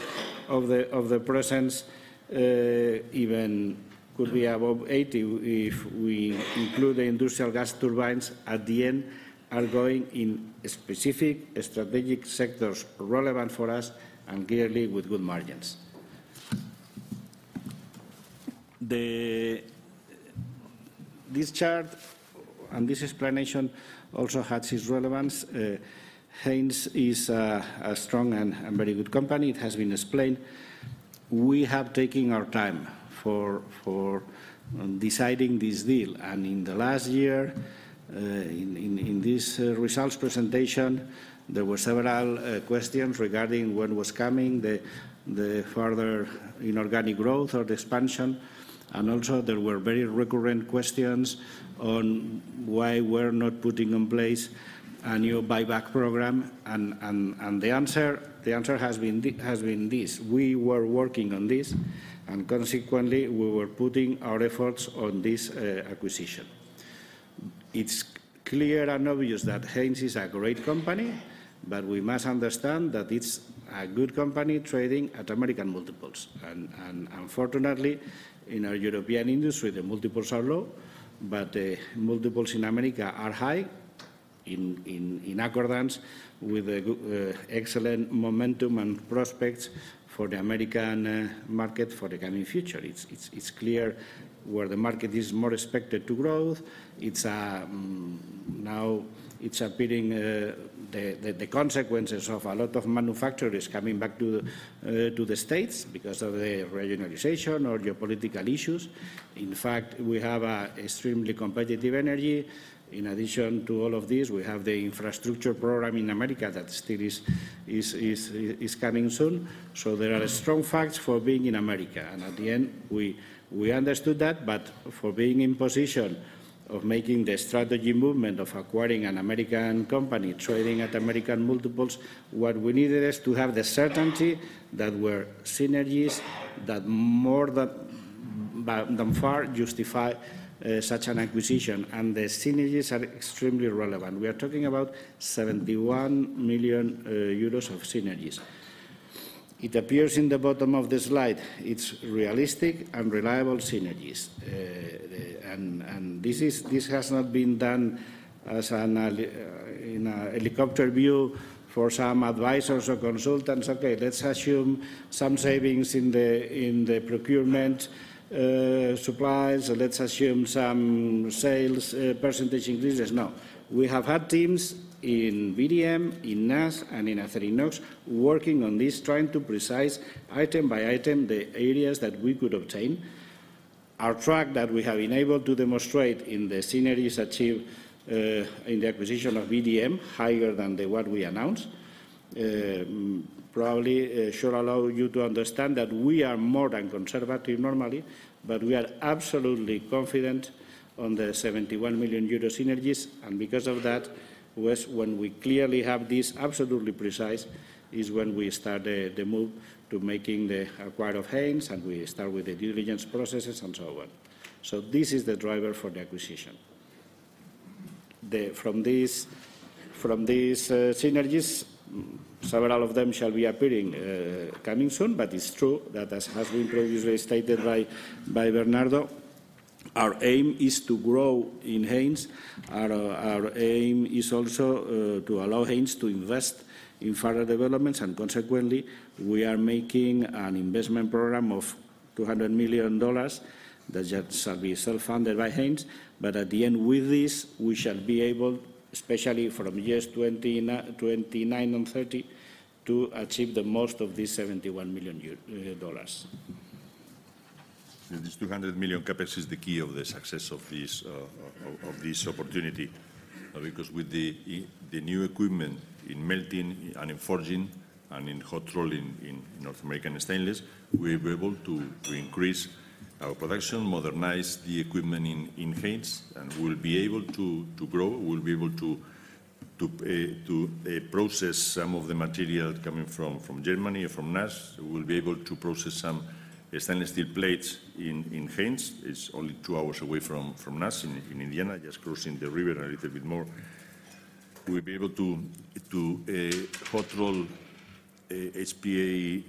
of the presence, even could be above 80% if we include the industrial gas turbines at the end, are going in specific strategic sectors relevant for us and clearly with good margins. This chart and this explanation also has its relevance. Haynes is a strong and very good company. It has been explained. We have taken our time for deciding this deal. And in the last year, in this results presentation, there were several questions regarding when was coming the further inorganic growth or the expansion. And also, there were very recurrent questions on why we're not putting in place a new buyback program. And the answer has been this. We were working on this. Consequently, we were putting our efforts on this acquisition. It's clear and obvious that Haynes is a great company. We must understand that it's a good company trading at American multiples. Unfortunately, in our European industry, the multiples are low. The multiples in America are high in accordance with the excellent momentum and prospects for the American market for the coming future. It's clear where the market is more expected to grow. Now, it's appearing the consequences of a lot of manufacturers coming back to the States because of the regionalization or geopolitical issues. In fact, we have extremely competitive energy. In addition to all of this, we have the infrastructure program in America that still is coming soon. There are strong facts for being in America. At the end, we understood that. But for being in position of making the strategy movement of acquiring an American company, trading at American multiples, what we needed is to have the certainty that there are synergies that more than far justify such an acquisition. And the synergies are extremely relevant. We are talking about 71 million euros of synergies. It appears in the bottom of the slide. It's realistic and reliable synergies. And this has not been done in a helicopter view for some advisors or consultants. OK, let's assume some savings in the procurement supplies. Let's assume some sales percentage increases. No. We have had teams in VDM, in NAS, and in Acerinox working on this, trying to precisely item by item the areas that we could obtain. Our track that we have enabled to demonstrate in the synergies achieved in the acquisition of VDM higher than what we announced probably shall allow you to understand that we are more than conservative normally. But we are absolutely confident on the 71 million euro synergies. And because of that, when we clearly have this absolutely precise, is when we start the move to making the acquire of Haynes. And we start with the due diligence processes and so on. So this is the driver for the acquisition. From these synergies, several of them shall be appearing coming soon. But it's true that, as has been previously stated by Bernardo, our aim is to grow in Haynes. Our aim is also to allow Haynes to invest in further developments. And consequently, we are making an investment program of $200 million that shall be self-funded by Haynes. At the end, with this, we shall be able, especially from years 2029 and 2030, to achieve the most of this $71 million. This 200 million CapEx is the key of the success of this opportunity. Because with the new equipment in melting and in forging and in hot rolling in North American Stainless, we will be able to increase our production, modernize the equipment in Haynes. And we'll be able to grow. We'll be able to process some of the material coming from Germany or from NAS. We'll be able to process some stainless steel plates in Haynes. It's only two hours away from NAS in Indiana, just crossing the river a little bit more. We'll be able to hot roll HPA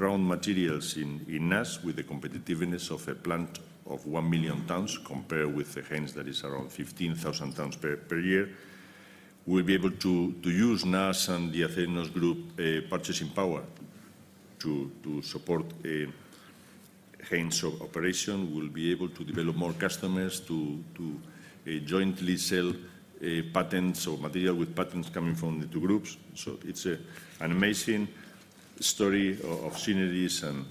round materials in NAS with the competitiveness of a plant of 1 million tons compared with Haynes, that is around 15,000 tons per year. We'll be able to use NAS and the Acerinox Group purchasing power to support Haynes's operation. We'll be able to develop more customers to jointly sell patents or material with patents coming from the two groups. So it's an amazing story of synergies and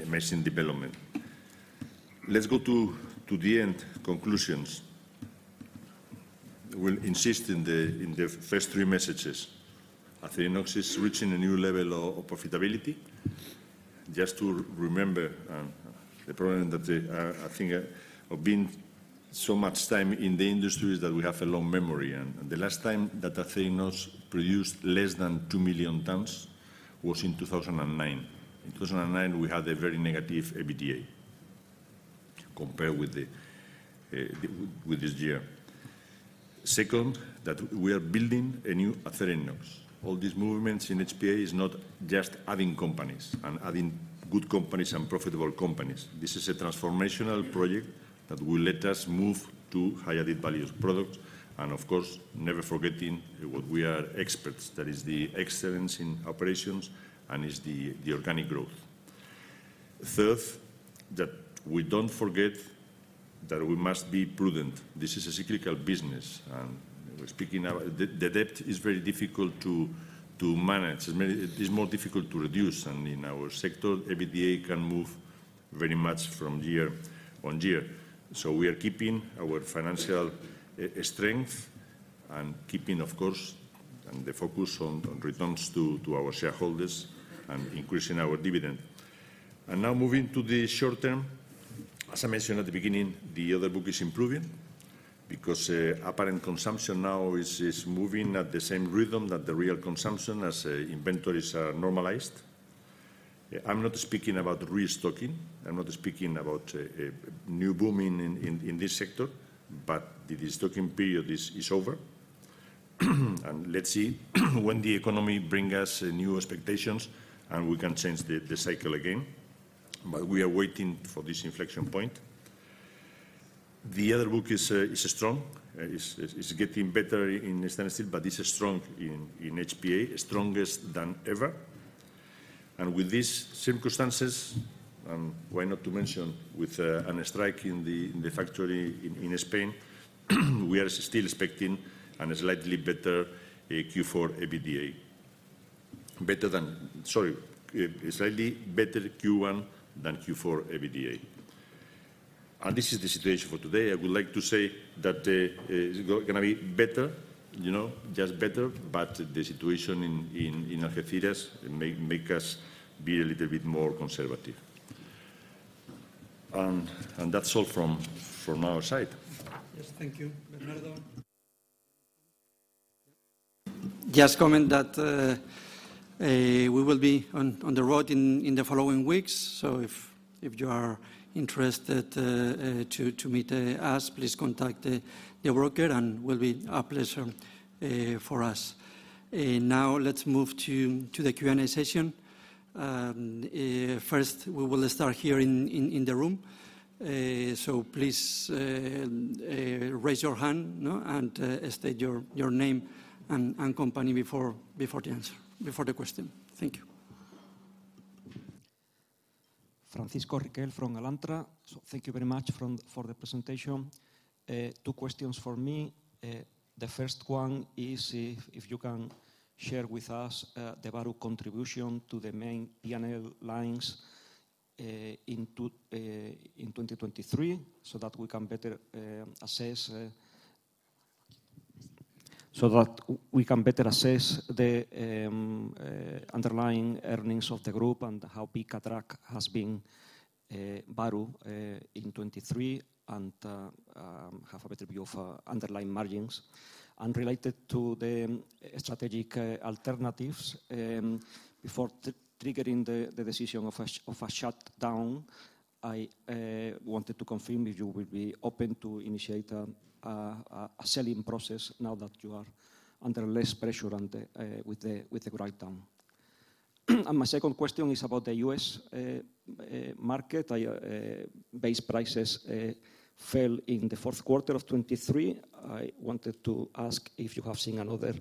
amazing development. Let's go to the end, conclusions. We'll insist in the first three messages. Acerinox is reaching a new level of profitability. Just to remember, the problem that I think of being so much time in the industry is that we have a long memory. And the last time that Acerinox produced less than 2 million tons was in 2009. In 2009, we had a very negative EBITDA compared with this year. Second, that we are building a new Acerinox. All these movements in HPA is not just adding companies and adding good companies and profitable companies. This is a transformational project that will let us move to high-added values products and, of course, never forgetting what we are experts. That is the excellence in operations and is the organic growth. Third, that we don't forget that we must be prudent. This is a cyclical business. Speaking about the depth, it's very difficult to manage. It's more difficult to reduce. In our sector, EBITDA can move very much from year-on-year. So we are keeping our financial strength and keeping, of course, the focus on returns to our shareholders and increasing our dividend. Now moving to the short term, as I mentioned at the beginning, the order book is improving because apparent consumption now is moving at the same rhythm that the real consumption as inventories are normalized. I'm not speaking about restocking. I'm not speaking about a new boom in this sector. The restocking period is over. Let's see when the economy brings us new expectations and we can change the cycle again. But we are waiting for this inflection point. The order book is strong. It's getting better in stainless steel. But it's strong in HPA, strongest than ever. And with these circumstances, and why not to mention with a strike in the factory in Spain, we are still expecting a slightly better Q4 EBITDA, better than sorry, slightly better Q1 than Q4 EBITDA. And this is the situation for today. I would like to say that it's going to be better, just better. But the situation in Algeciras makes us be a little bit more conservative. And that's all from our side. Yes, thank you, Bernardo.Just comment that we will be on the road in the following weeks. So if you are interested to meet us, please contact the broker. It will be a pleasure for us. Now let's move to the Q&A session. First, we will start here in the room. Please raise your hand and state your name and company before the answer, before the question. Thank you. Francisco Riquel from Alantra. So thank you very much for the presentation. Two questions for me. The first one is if you can share with us the Bahru contribution to the main P&L lines in 2023 so that we can better assess the underlying earnings of the group and how big an impact has been Bahru in 2023 and have a better view of underlying margins. Related to the strategic alternatives, before triggering the decision of a shutdown, I wanted to confirm if you will be open to initiate a selling process now that you are under less pressure with the write-down. My second question is about the U.S. market. Base prices fell in the fourth quarter of 2023. I wanted to ask if you have seen another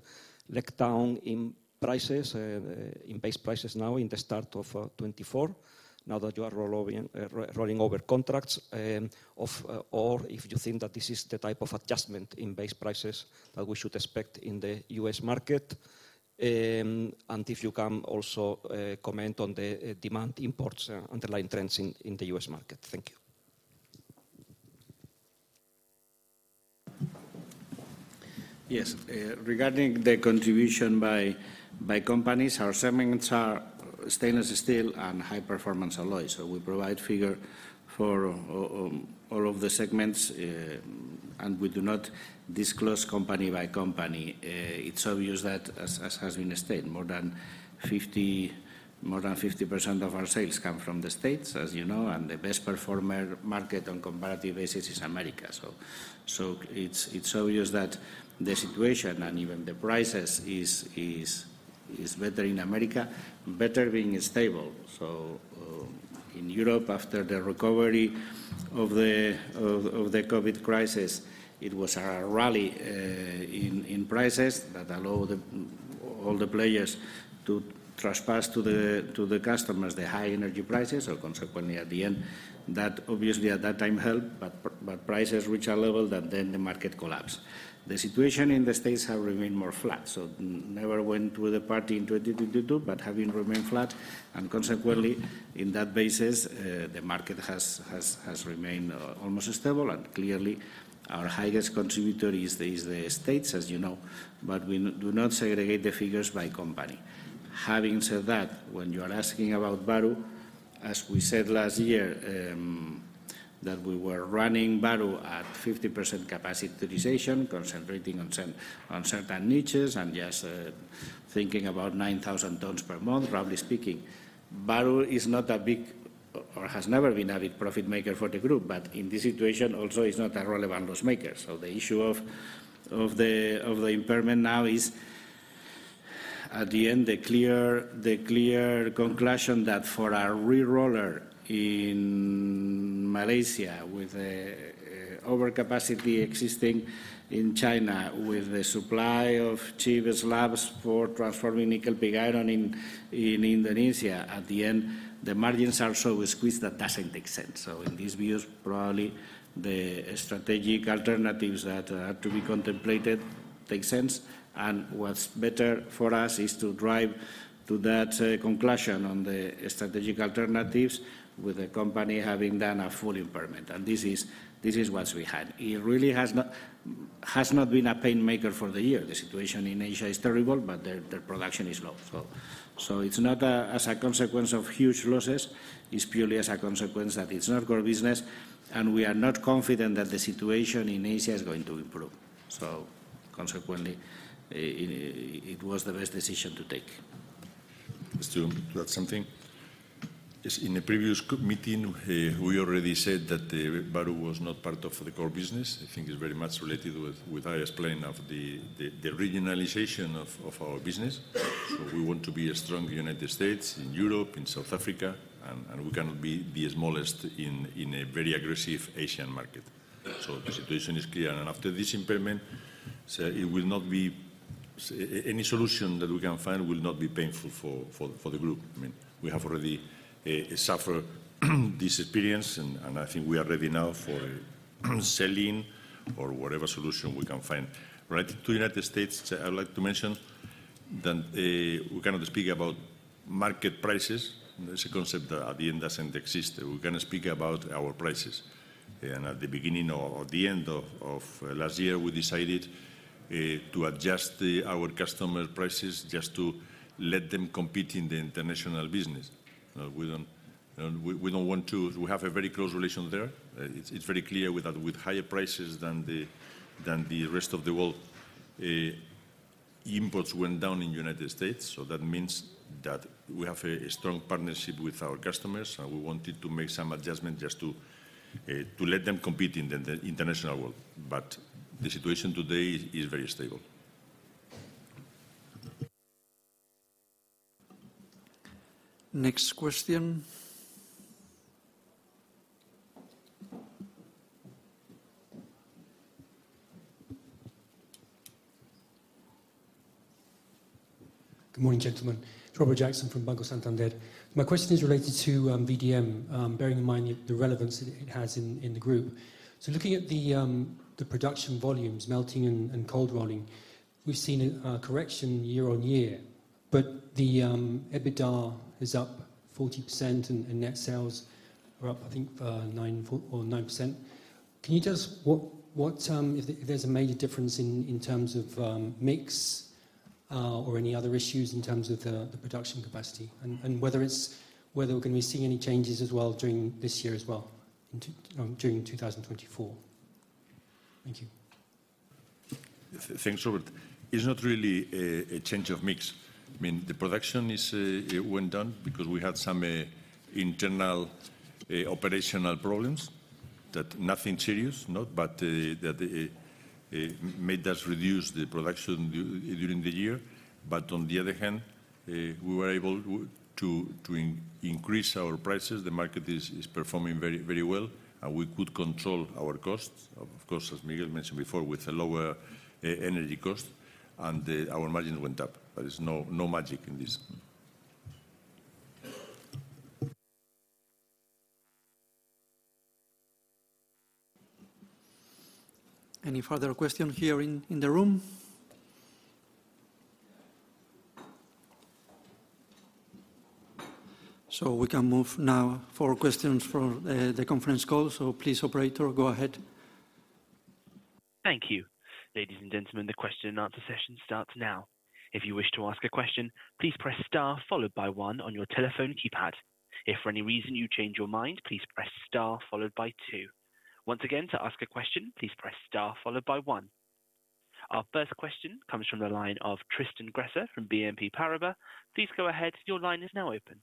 letdown in prices, in base prices now in the start of 2024 now that you are rolling over contracts, or if you think that this is the type of adjustment in base prices that we should expect in the U.S. market? If you can also comment on the demand, imports, underlying trends in the U.S. market? Thank you. Yes. Regarding the contribution by companies, our segments are stainless steel and high-performance alloys. So we provide figure for all of the segments. And we do not disclose company by company. It's obvious that, as has been stated, more than 50% of our sales come from the States, as you know. And the best performer market on comparative basis is America. So it's obvious that the situation and even the prices is better in America, better being stable. So in Europe, after the recovery of the COVID crisis, it was a rally in prices that allowed all the players to trespass to the customers, the high energy prices. So consequently, at the end, that obviously, at that time, helped. But prices reach a level that then the market collapsed. The situation in the States has remained more flat. So never went to the party in 2022. But having remained flat and consequently, on that basis, the market has remained almost stable. And clearly, our highest contributor is the States, as you know. But we do not segregate the figures by company. Having said that, when you are asking about Bahru, as we said last year that we were running Bahru at 50% capacity utilization, concentrating on certain niches and just thinking about 9,000 tons per month, roughly speaking, Bahru is not a big or has never been a big profit maker for the group. But in this situation, also, it's not a relevant loss maker. So the issue of the impairment now is, at the end, the clear conclusion that for a re-roller in Malaysia with overcapacity existing in China with the supply of cheapest slabs for transforming nickel pig iron in Indonesia, at the end, the margins are so squeezed that it doesn't make sense. So in these views, probably the strategic alternatives that are to be contemplated make sense. And what's better for us is to drive to that conclusion on the strategic alternatives with the company having done a full impairment. And this is what we had. It really has not been a pain maker for the year. The situation in Asia is terrible. But their production is low. So it's not as a consequence of huge losses. It's purely as a consequence that it's not core business. And we are not confident that the situation in Asia is going to improve. So consequently, it was the best decision to take. Just to add something. In the previous meeting, we already said that Bahru was not part of the core business. I think it's very much related with I explained of the regionalization of our business. So we want to be strong in the United States, in Europe, in South Africa. And we cannot be the smallest in a very aggressive Asian market. So the situation is clear. And after this impairment, it will not be any solution that we can find will not be painful for the group. I mean, we have already suffered this experience. And I think we are ready now for selling or whatever solution we can find. Related to the United States, I would like to mention that we cannot speak about market prices. That's a concept that, at the end, doesn't exist. We cannot speak about our prices. At the beginning or the end of last year, we decided to adjust our customer prices just to let them compete in the international business. We have a very close relation there. It's very clear that with higher prices than the rest of the world, imports went down in the United States. So that means that we have a strong partnership with our customers. We wanted to make some adjustments just to let them compete in the international world. But the situation today is very stable. Next question. Good morning, gentlemen. It's Robert Jackson from Banco Santander. My question is related to VDM, bearing in mind the relevance it has in the group. Looking at the production volumes, melting and cold rolling, we've seen a correction year-over-year. But the EBITDA is up 40%. And net sales are up, I think, 9%. Can you tell us what if there's a major difference in terms of mix or any other issues in terms of the production capacity and whether we're going to be seeing any changes as well during this year as well, during 2024? Thank you. Thanks, Robert. It's not really a change of mix. I mean, the production went down because we had some internal operational problems, nothing serious, but that made us reduce the production during the year. But on the other hand, we were able to increase our prices. The market is performing very well. And we could control our costs, of course, as Miguel mentioned before, with a lower energy cost. And our margins went up. But there's no magic in this. Any further question here in the room? We can move now for questions from the conference call. Please, operator, go ahead. Thank you. Ladies and gentlemen, the question and answer session starts now. If you wish to ask a question, please press star followed by one on your telephone keypad. If for any reason you change your mind, please press star followed by two. Once again, to ask a question, please press star followed by one. Our first question comes from the line of Tristan Gresser from BNP Paribas. Please go ahead. Your line is now open.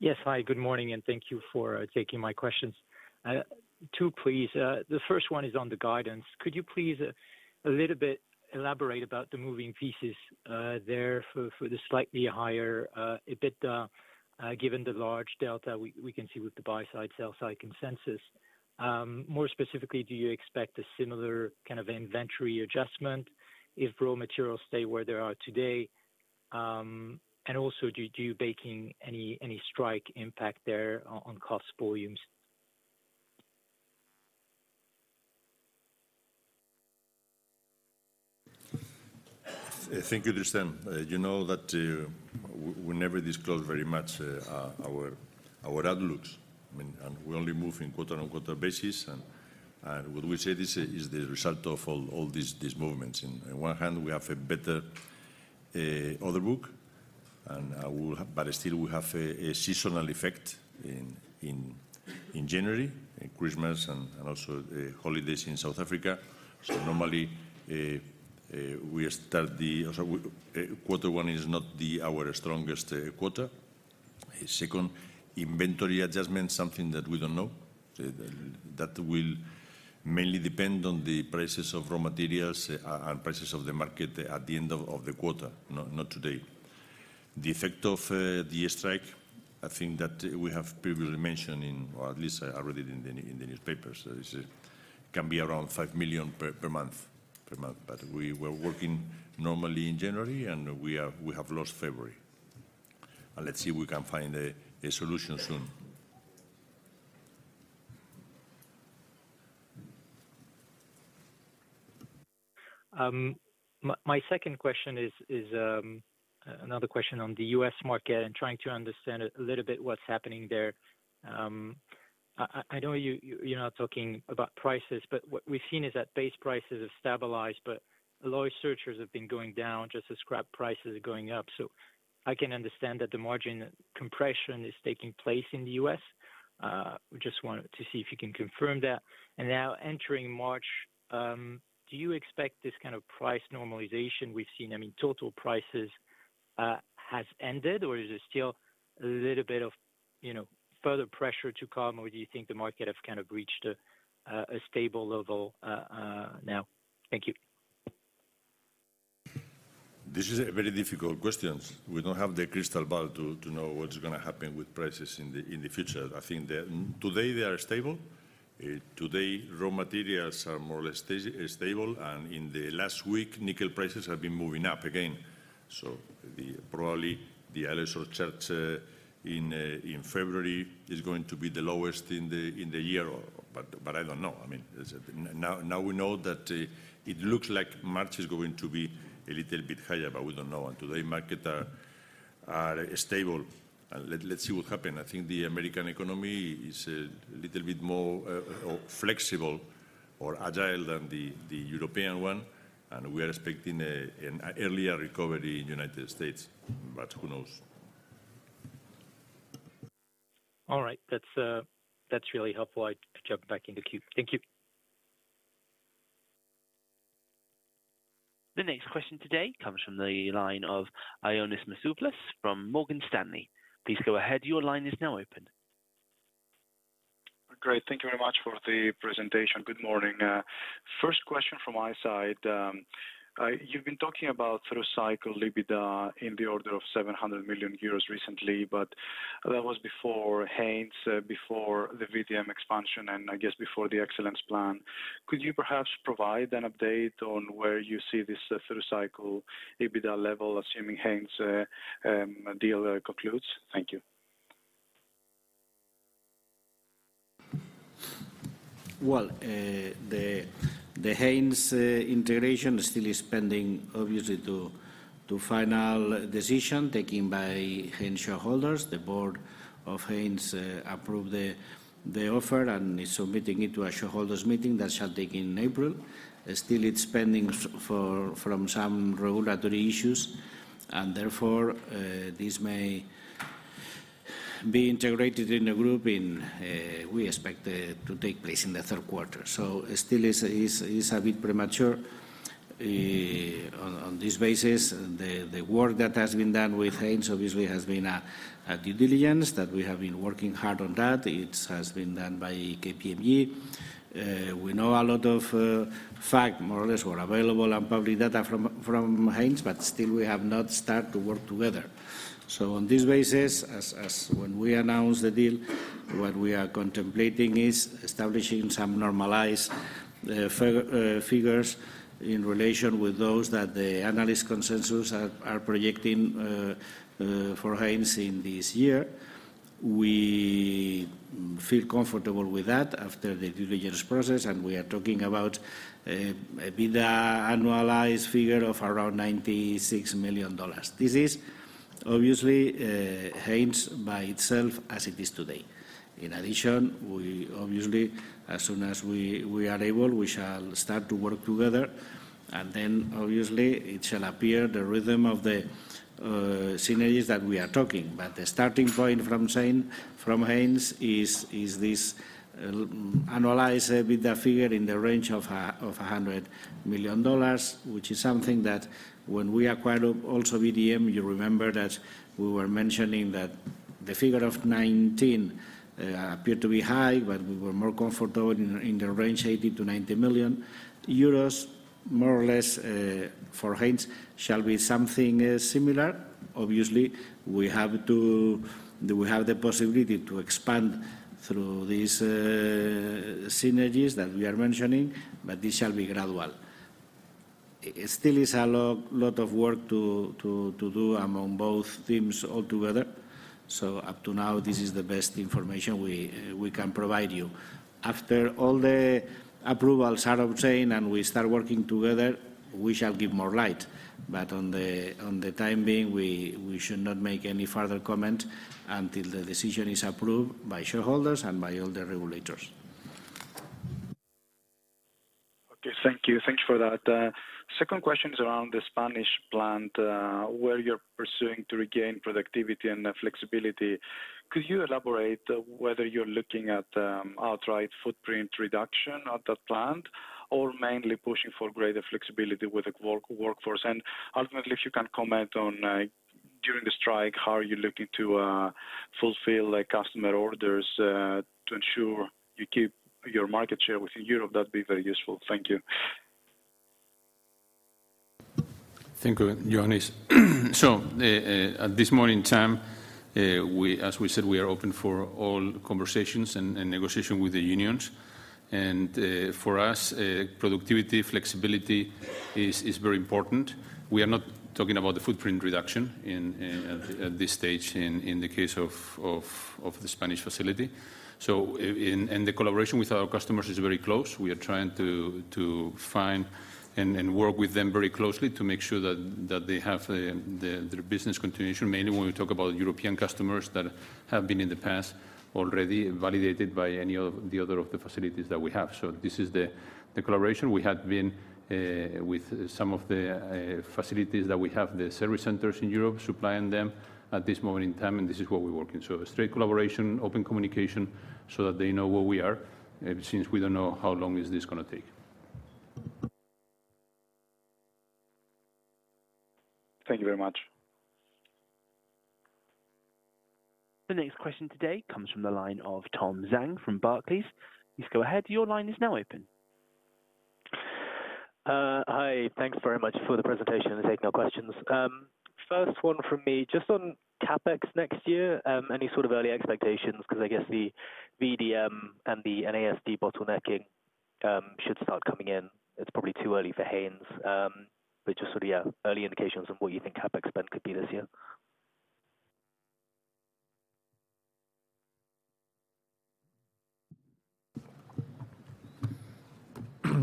Yes. Hi. Good morning. Thank you for taking my questions. Two, please. The first one is on the guidance. Could you please a little bit elaborate about the moving pieces there for the slightly higher EBITDA given the large delta we can see with the buy-side, sell-side consensus? More specifically, do you expect a similar kind of inventory adjustment if raw materials stay where they are today? Also, do you think any strike impact there on cost volumes? Thank you, Tristan. You know that we never disclose very much our outlooks. I mean, and we only move on a quarter-on-quarter basis. What we say is the result of all these movements. On one hand, we have a better order book. But still, we have a seasonal effect in January, Christmas, and also holidays in South Africa. So normally, we start the quarter one is not our strongest quarter. Second, inventory adjustment, something that we don't know. That will mainly depend on the prices of raw materials and prices of the market at the end of the quarter, not today. The effect of the strike, I think that we have previously mentioned in or at least I read it in the newspapers. It can be around 5 million per month. But we were working normally in January. And we have lost February. Let's see if we can find a solution soon. My second question is another question on the U.S. market and trying to understand a little bit what's happening there. I know you're not talking about prices. But what we've seen is that base prices have stabilized. But alloy surcharges have been going down just as scrap prices are going up. So I can understand that the margin compression is taking place in the U.S. We just wanted to see if you can confirm that. And now entering March, do you expect this kind of price normalization we've seen I mean, total prices has ended? Or is there still a little bit of further pressure to come? Or do you think the market has kind of reached a stable level now? Thank you. This is a very difficult question. We don't have the crystal ball to know what's going to happen with prices in the future. I think that today, they are stable. Today, raw materials are more or less stable. In the last week, nickel prices have been moving up again. So probably the alloy surcharge in February is going to be the lowest in the year. But I don't know. I mean, now we know that it looks like March is going to be a little bit higher. But we don't know. Today, markets are stable. Let's see what happens. I think the American economy is a little bit more flexible or agile than the European one. We are expecting an earlier recovery in the United States. But who knows? All right. That's really helpful. I jump back into queue. Thank you. The next question today comes from the line of Ioannis Masvoulas from Morgan Stanley. Please go ahead. Your line is now open. Great. Thank you very much for the presentation. Good morning. First question from my side. You've been talking about through-cycle EBITDA in the order of 700 million euros recently. But that was before Haynes, before the VDM expansion, and I guess before the excellence plan. Could you perhaps provide an update on where you see this through-cycle EBITDA level, assuming Haynes deal concludes? Thank you. Well, the Haynes integration still is pending, obviously, to final decision taken by Haynes shareholders. The board of Haynes approved the offer. It's submitting it to a shareholders' meeting that shall take place in April. Still, it's pending from some regulatory issues. Therefore, this may be integrated in the group, we expect, to take place in the third quarter. So still, it's a bit premature on this basis. The work that has been done with Haynes, obviously, has been due diligence that we have been working hard on that. It has been done by KPMG. We know a lot of facts, more or less, were available and public data from Haynes. But still, we have not started to work together. On this basis, when we announced the deal, what we are contemplating is establishing some normalized figures in relation with those that the analyst consensus are projecting for Haynes in this year. We feel comfortable with that after the due diligence process. We are talking about an EBITDA annualized figure of around $96 million. This is, obviously, Haynes by itself as it is today. In addition, obviously, as soon as we are able, we shall start to work together. Then, obviously, it shall appear the rhythm of the synergies that we are talking. But the starting point from Haynes is this annualized EBITDA figure in the range of $100 million, which is something that when we acquired also VDM, you remember that we were mentioning that the figure of 2019 appeared to be high. But we were more comfortable in the range of 80 million-90 million euros, more or less, for Haynes shall be something similar. Obviously, do we have the possibility to expand through these synergies that we are mentioning? But this shall be gradual. Still, it's a lot of work to do among both teams altogether. So up to now, this is the best information we can provide you. After all the approvals are obtained and we start working together, we shall give more light. But in the meantime, we should not make any further comments until the decision is approved by shareholders and by all the regulators. Okay. Thank you. Thanks for that. Second question is around the Spanish plant where you're pursuing to regain productivity and flexibility. Could you elaborate whether you're looking at outright footprint reduction at that plant or mainly pushing for greater flexibility with the workforce? And ultimately, if you can comment on, during the strike, how are you looking to fulfill customer orders to ensure you keep your market share within Europe, that'd be very useful. Thank you. Thank you, Ionis. At this morning time, as we said, we are open for all conversations and negotiations with the unions. For us, productivity, flexibility is very important. We are not talking about the footprint reduction at this stage in the case of the Spanish facility. The collaboration with our customers is very close. We are trying to find and work with them very closely to make sure that they have their business continuation, mainly when we talk about European customers that have been in the past already validated by any of the other facilities that we have. This is the collaboration. We have been with some of the facilities that we have, the service centers in Europe, supplying them at this moment in time. This is what we're working on. Straight collaboration, open communication so that they know where we are since we don't know how long this is going to take. Thank you very much. The next question today comes from the line of Tom Zhang from Barclays. Please go ahead. Your line is now open. Hi. Thanks very much for the presentation. I'll take no questions. First one from me, just on CapEx next year, any sort of early expectations? Because I guess the VDM and the NAS bottlenecking should start coming in. It's probably too early for Haynes. But just sort of, yeah, early indications on what you think CapEx spend could be this year.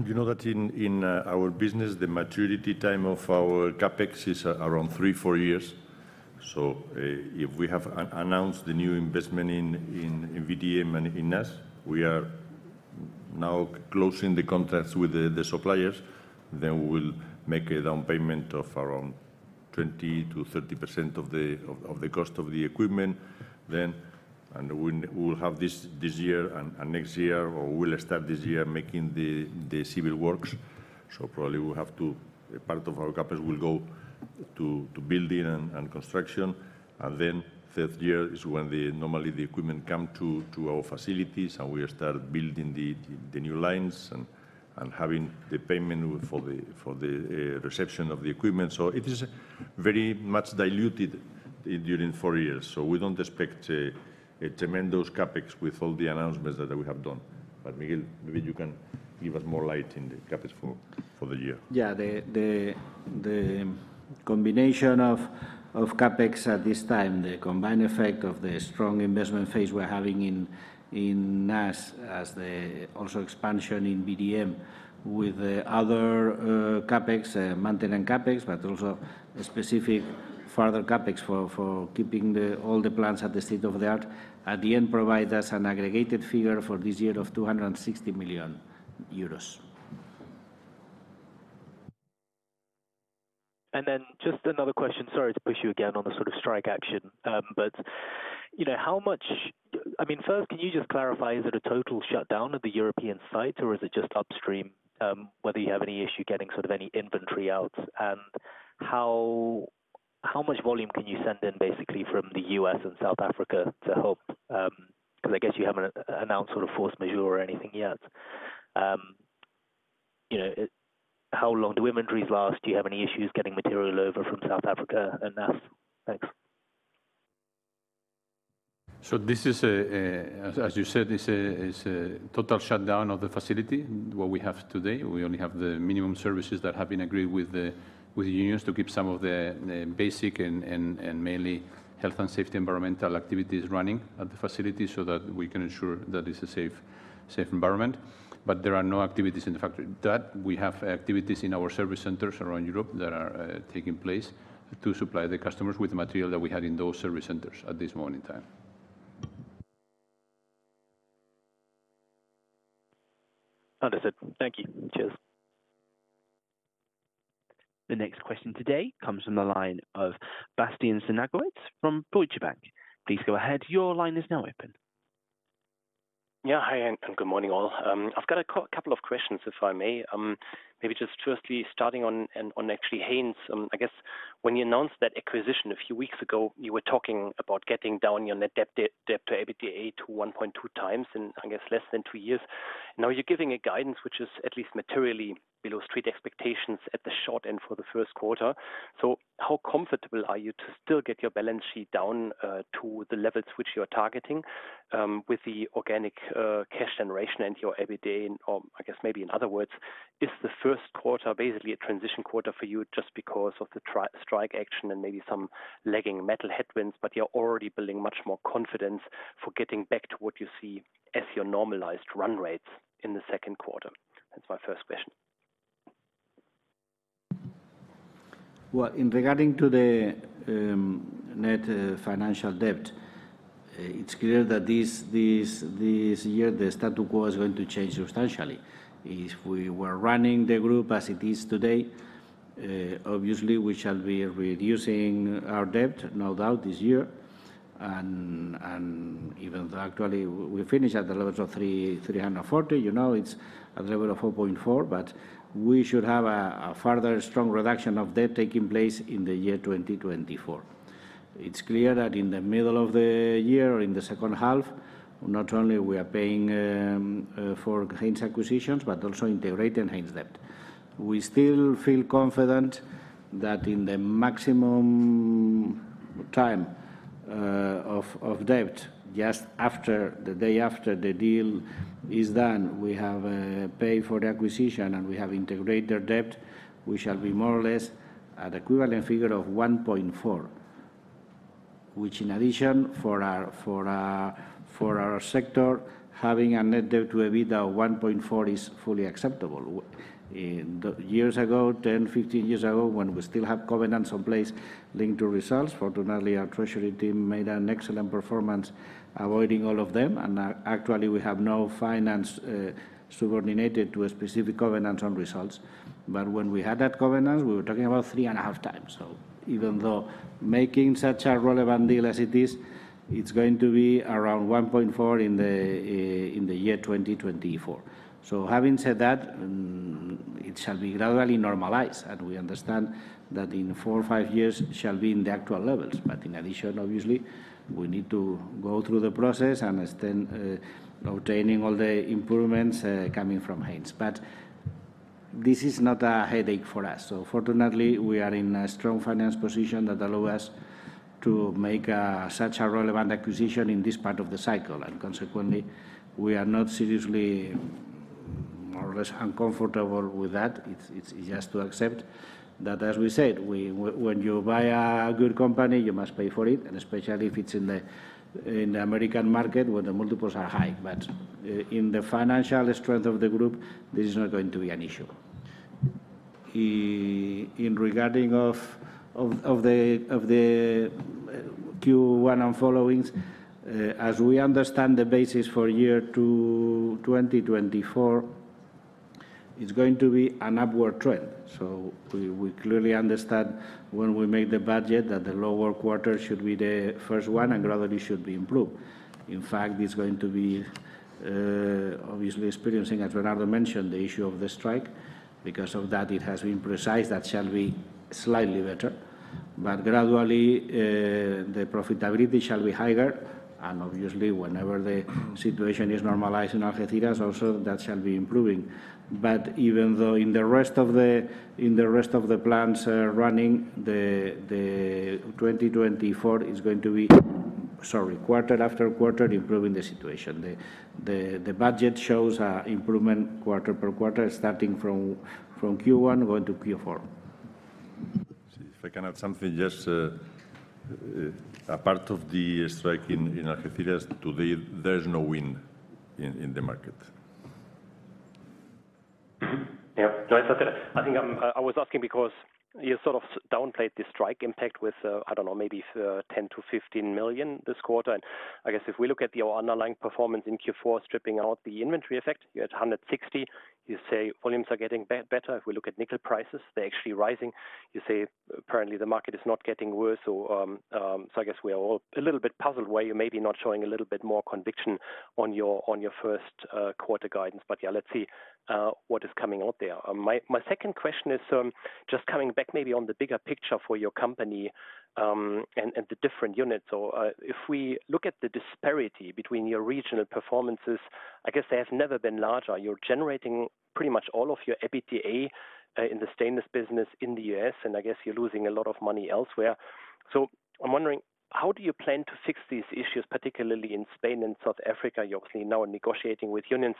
You know that in our business, the maturity time of our CapEx is around three-four years. So if we have announced the new investment in VDM and in us, we are now closing the contracts with the suppliers. Then we'll make a down payment of around 20%-30% of the cost of the equipment. And we'll have this year and next year, or we'll start this year making the civil works. So probably we'll have to part of our CapEx will go to building and construction. And then third year is when normally the equipment comes to our facilities. And we start building the new lines and having the payment for the reception of the equipment. So it is very much diluted during four years. So we don't expect tremendous CapEx with all the announcements that we have done. Miguel, maybe you can give us more light on the CapEx for the year. Yeah. The combination of CapEx at this time, the combined effect of the strong investment phase we're having in the U.S. as well as expansion in VDM with other CapEx, maintenance CapEx, but also specific further CapEx for keeping all the plants at the state of the art, at the end provides us an aggregated figure for this year of 260 million euros. Then just another question. Sorry to push you again on the sort of strike action. But how much—I mean, first, can you just clarify, is it a total shutdown of the European site? Or is it just upstream, whether you have any issue getting sort of any inventory out? And how much volume can you send in, basically, from the U.S. and South Africa to help? Because I guess you haven't announced sort of force majeure or anything yet. How long do inventories last? Do you have any issues getting material over from South Africa and U.S.? Thanks. So this is, as you said, it's a total shutdown of the facility, what we have today. We only have the minimum services that have been agreed with the unions to keep some of the basic and mainly health and safety environmental activities running at the facility so that we can ensure that it's a safe environment. But there are no activities in the factory. We have activities in our service centers around Europe that are taking place to supply the customers with the material that we had in those service centers at this moment in time. Understood. Thank you. Cheers. The next question today comes from the line of Bastian Synagowitz from Deutsche Bank. Please go ahead. Your line is now open. Yeah. Hi, Anne. And good morning, all. I've got a couple of questions, if I may. Maybe just firstly, starting on actually Haynes. I guess when you announced that acquisition a few weeks ago, you were talking about getting down your net debt to EBITDA to 1.2x in, I guess, less than two years. Now you're giving a guidance which is at least materially below street expectations at the short end for the first quarter. So how comfortable are you to still get your balance sheet down to the levels which you're targeting with the organic cash generation and your EBITDA? Or I guess maybe, in other words, is the first quarter basically a transition quarter for you just because of the strike action and maybe some lagging metal headwinds? You're already building much more confidence for getting back to what you see as your normalized run rates in the second quarter. That's my first question. Well, regarding the net financial debt, it's clear that this year, the status quo is going to change substantially. If we were running the group as it is today, obviously, we shall be reducing our debt, no doubt, this year. Even though, actually, we finished at the levels of 340, it's at the level of 4.4. But we should have a further strong reduction of debt taking place in the year 2024. It's clear that in the middle of the year or in the second half, not only are we paying for Haynes acquisitions but also integrating Haynes debt. We still feel confident that in the maximum time of debt, just after the day after the deal is done, we have paid for the acquisition. And we have integrated debt. We shall be more or less at the equivalent figure of 1.4, which, in addition, for our sector, having a net debt to EBITDA of 1.4 is fully acceptable. Years ago, 10, 15 years ago, when we still had covenants in place linked to results, fortunately, our treasury team made an excellent performance avoiding all of them. And actually, we have no finance subordinated to a specific covenant on results. But when we had that covenant, we were talking about 3.5 times. So even though making such a relevant deal as it is, it's going to be around 1.4 in the year 2024. So having said that, it shall be gradually normalized. And we understand that in four, five years shall be in the actual levels. But in addition, obviously, we need to go through the process and obtain all the improvements coming from Haynes. But this is not a headache for us. So fortunately, we are in a strong financial position that allows us to make such a relevant acquisition in this part of the cycle. And consequently, we are not seriously, more or less, uncomfortable with that. It's just to accept that, as we said, when you buy a good company, you must pay for it, especially if it's in the American market where the multiples are high. But in the financial strength of the group, this is not going to be an issue. Regarding the Q1 and followings, as we understand the basis for year 2024, it's going to be an upward trend. So we clearly understand when we make the budget that the lower quarter should be the first one and gradually should be improved. In fact, it's going to be, obviously, experiencing, as Bernardo mentioned, the issue of the strike. Because of that, it has been precise that it shall be slightly better. But gradually, the profitability shall be higher. And obviously, whenever the situation is normalized in Algeciras, also, that shall be improving. But even though in the rest of the plants running, 2024 is going to be, sorry, quarter after quarter, improving the situation. The budget shows an improvement quarter per quarter, starting from Q1 going to Q4. If I can add something, just apart from the strike in Algeciras, today, there's no win in the market. Yeah. Just to reiterate, I think I was asking because you sort of downplayed the strike impact with, I don't know, maybe 10-15 million this quarter. And I guess if we look at your underlying performance in Q4, stripping out the inventory effect, you're at 160 million. You say volumes are getting better. If we look at nickel prices, they're actually rising. You say, apparently, the market is not getting worse. So I guess we are all a little bit puzzled where you're maybe not showing a little bit more conviction on your first quarter guidance. But yeah, let's see what is coming out there. My second question is just coming back maybe on the bigger picture for your company and the different units. So if we look at the disparity between your regional performances, I guess they have never been larger. You're generating pretty much all of your EBITDA in the stainless business in the U.S. And I guess you're losing a lot of money elsewhere. So I'm wondering, how do you plan to fix these issues, particularly in Spain and South Africa? You're obviously now negotiating with unions.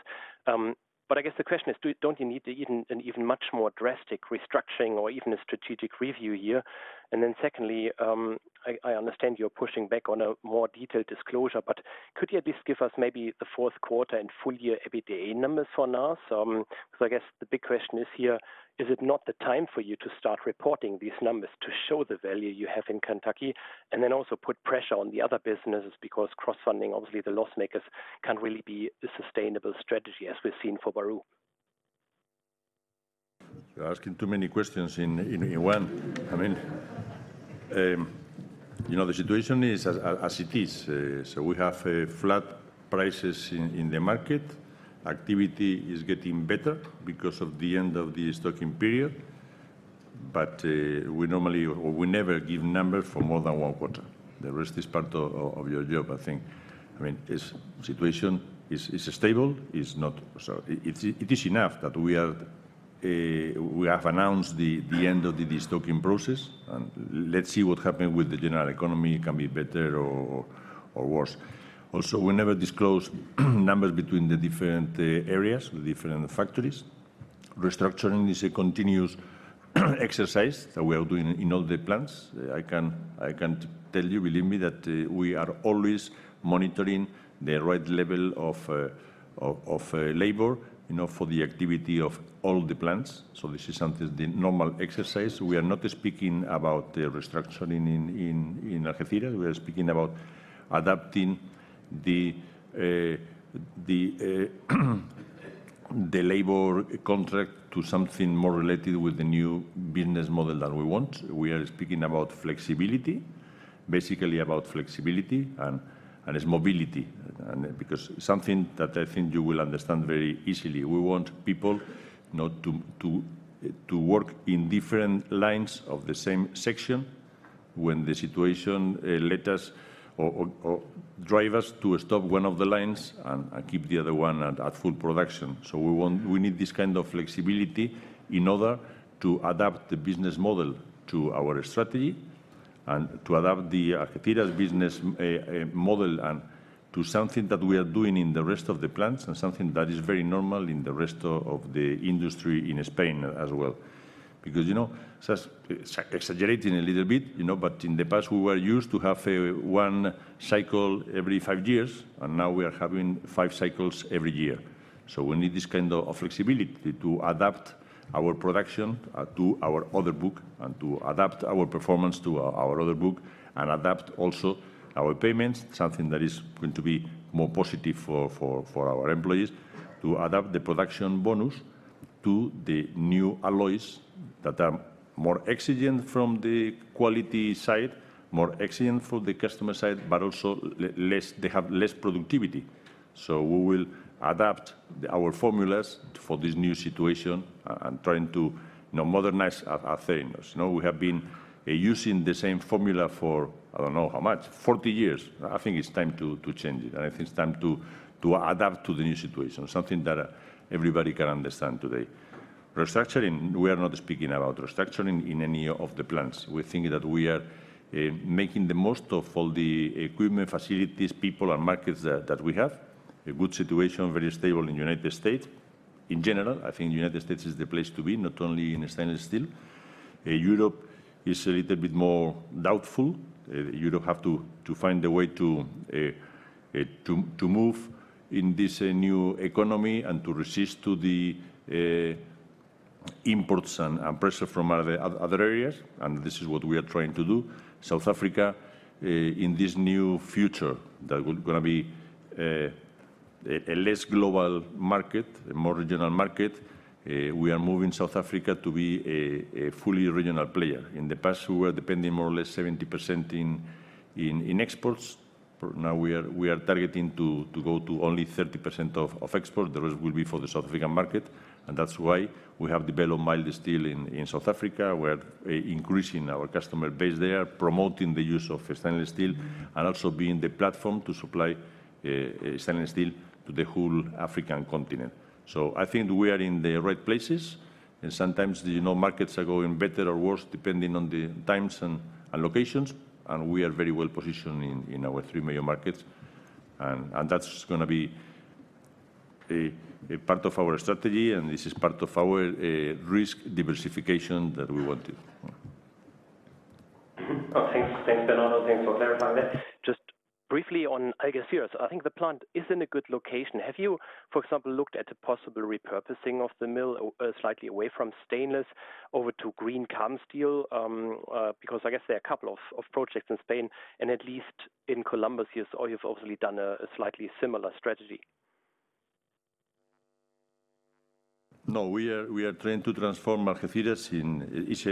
But I guess the question is, don't you need even much more drastic restructuring or even a strategic review here? And then secondly, I understand you're pushing back on a more detailed disclosure. But could you at least give us maybe the fourth quarter and full-year EBITDA numbers for NAS? Because I guess the big question is here, is it not the time for you to start reporting these numbers to show the value you have in Kentucky and then also put pressure on the other businesses? Because cross-funding, obviously, the loss makers can't really be a sustainable strategy, as we've seen for Bahru? You're asking too many questions in one. I mean, the situation is as it is. So we have flat prices in the market. Activity is getting better because of the end of the stocking period. But we normally or we never give numbers for more than one quarter. The rest is part of your job, I think. I mean, the situation is stable. It is enough that we have announced the end of the stocking process. And let's see what happens with the general economy. It can be better or worse. Also, we never disclose numbers between the different areas, the different factories. Restructuring is a continuous exercise that we are doing in all the plants. I can tell you, believe me, that we are always monitoring the right level of labor for the activity of all the plants. So this is something the normal exercise. We are not speaking about restructuring in Algeciras. We are speaking about adapting the labor contract to something more related with the new business model that we want. We are speaking about flexibility, basically about flexibility and its mobility. Because something that I think you will understand very easily, we want people not to work in different lines of the same section when the situation lets us or drives us to stop one of the lines and keep the other one at full production. So we need this kind of flexibility in order to adapt the business model to our strategy and to adapt the Algeciras business model to something that we are doing in the rest of the plants and something that is very normal in the rest of the industry in Spain as well. Because it's exaggerating a little bit. In the past, we were used to have one cycle every five years. Now we are having five cycles every year. So we need this kind of flexibility to adapt our production to our order book and to adapt our performance to our order book and adapt also our payments, something that is going to be more positive for our employees, to adapt the production bonus to the new alloys that are more exigent from the quality side, more exigent from the customer side, but also they have less productivity. So we will adapt our formulas for this new situation and trying to modernize our parameters. We have been using the same formula for, I don't know how much, 40 years. I think it's time to change it. I think it's time to adapt to the new situation, something that everybody can understand today. Restructuring, we are not speaking about restructuring in any of the plants. We think that we are making the most of all the equipment, facilities, people, and markets that we have. A good situation, very stable in the United States. In general, I think the United States is the place to be, not only in stainless steel. Europe is a little bit more doubtful. Europe has to find a way to move in this new economy and to resist the imports and pressure from other areas. This is what we are trying to do. South Africa, in this new future that is going to be a less global market, a more regional market, we are moving South Africa to be a fully regional player. In the past, we were depending more or less 70% on exports. Now we are targeting to go to only 30% of exports. The rest will be for the South African market. That's why we have developed mild steel in South Africa. We are increasing our customer base there, promoting the use of stainless steel, and also being the platform to supply stainless steel to the whole African continent. I think we are in the right places. Sometimes, the markets are going better or worse depending on the times and locations. We are very well positioned in our three major markets. That's going to be part of our strategy. This is part of our risk diversification that we want to. Thanks, Bernardo. Thanks for clarifying that. Just briefly on Algeciras, I think the plant is in a good location. Have you, for example, looked at a possible repurposing of the mill slightly away from stainless over to green carbon steel? Because I guess there are a couple of projects in Spain. At least in Columbus here, you've obviously done a slightly similar strategy. No. We are trying to transform Algeciras.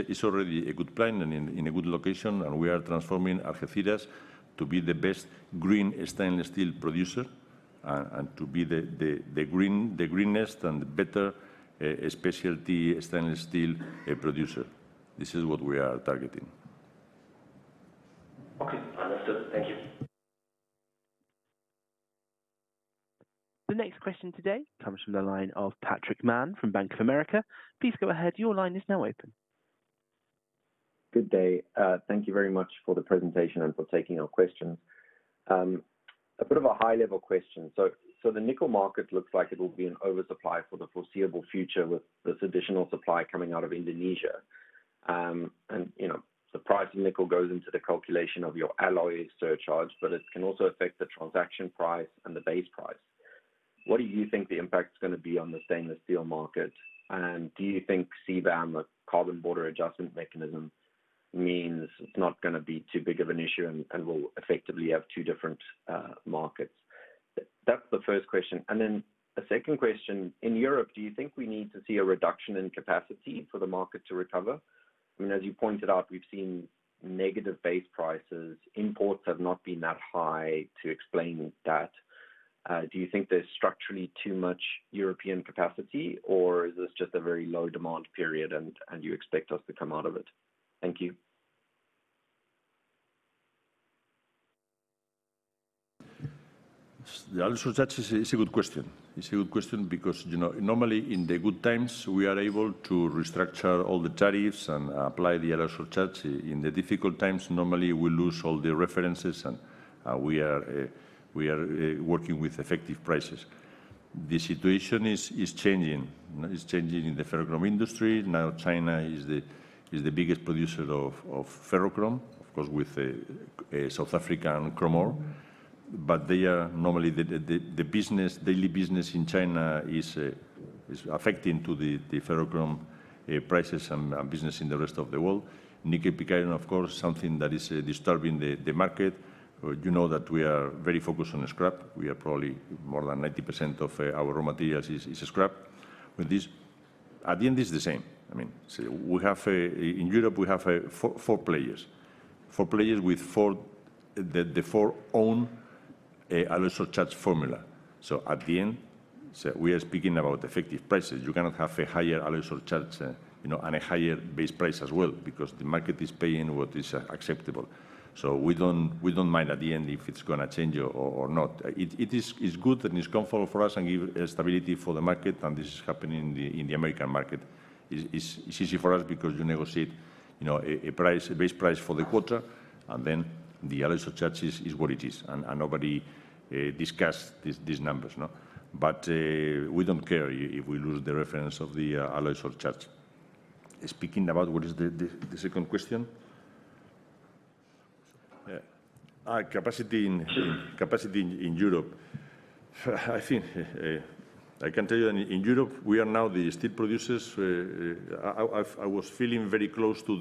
It's already a good plant and in a good location. We are transforming Algeciras to be the best green stainless steel producer and to be the greenest and better specialty stainless steel producer. This is what we are targeting. Okay. Understood. Thank you. The next question today comes from the line of Patrick Mann from Bank of America. Please go ahead. Your line is now open. Good day. Thank you very much for the presentation and for taking our questions. A bit of a high-level question. So the nickel market looks like it will be in oversupply for the foreseeable future with this additional supply coming out of Indonesia. And the price of nickel goes into the calculation of your alloy surcharge. But it can also affect the transaction price and the base price. What do you think the impact is going to be on the stainless steel market? And do you think CBAM, the carbon border adjustment mechanism, means it's not going to be too big of an issue and will effectively have two different markets? That's the first question. And then a second question. In Europe, do you think we need to see a reduction in capacity for the market to recover? I mean, as you pointed out, we've seen negative base prices. Imports have not been that high to explain that. Do you think there's structurally too much European capacity? Or is this just a very low demand period? And you expect us to come out of it? Thank you. The alloy surcharge is a good question. It's a good question because normally, in the good times, we are able to restructure all the tariffs and apply the alloy surcharge. In the difficult times, normally, we lose all the references. We are working with effective prices. The situation is changing. It's changing in the ferrochrome industry. Now, China is the biggest producer of ferrochrome, of course, with South African chrome ore. But normally, the daily business in China is affecting the ferrochrome prices and business in the rest of the world. Nickel pig iron, of course, something that is disturbing the market. You know that we are very focused on scrap. We are probably more than 90% of our raw materials is scrap. At the end, it's the same. I mean, in Europe, we have four players with the four-agreed alloy surcharge formula. So at the end, we are speaking about effective prices. You cannot have a higher alloy surcharge and a higher base price as well because the market is paying what is acceptable. So we don't mind at the end if it's going to change or not. It is good and it's comfortable for us and gives stability for the market. And this is happening in the American market. It's easy for us because you negotiate a base price for the quarter. And then the alloy surcharge is what it is. And nobody discusses these numbers. But we don't care if we lose the reference of the alloy surcharge. Speaking about what is the second question? Yeah. Capacity in Europe. I think I can tell you that in Europe, we are now the steel producers. I was feeling very close to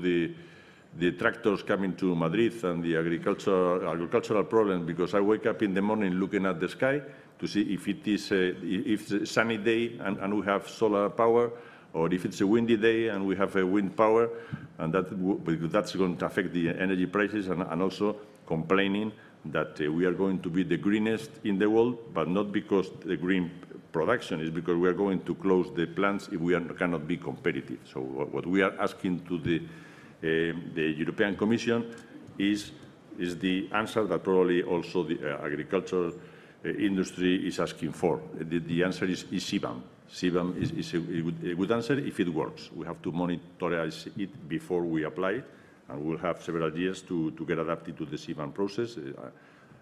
the tractors coming to Madrid and the agricultural problem because I wake up in the morning looking at the sky to see if it is a sunny day and we have solar power or if it's a windy day and we have wind power. That's going to affect the energy prices. And also complaining that we are going to be the greenest in the world, but not because the green production is because we are going to close the plants if we cannot be competitive. So what we are asking to the European Commission is the answer that probably also the agricultural industry is asking for. The answer is CBAM. CBAM is a good answer if it works. We have to monitor it before we apply it. We'll have several years to get adapted to the CBAM process.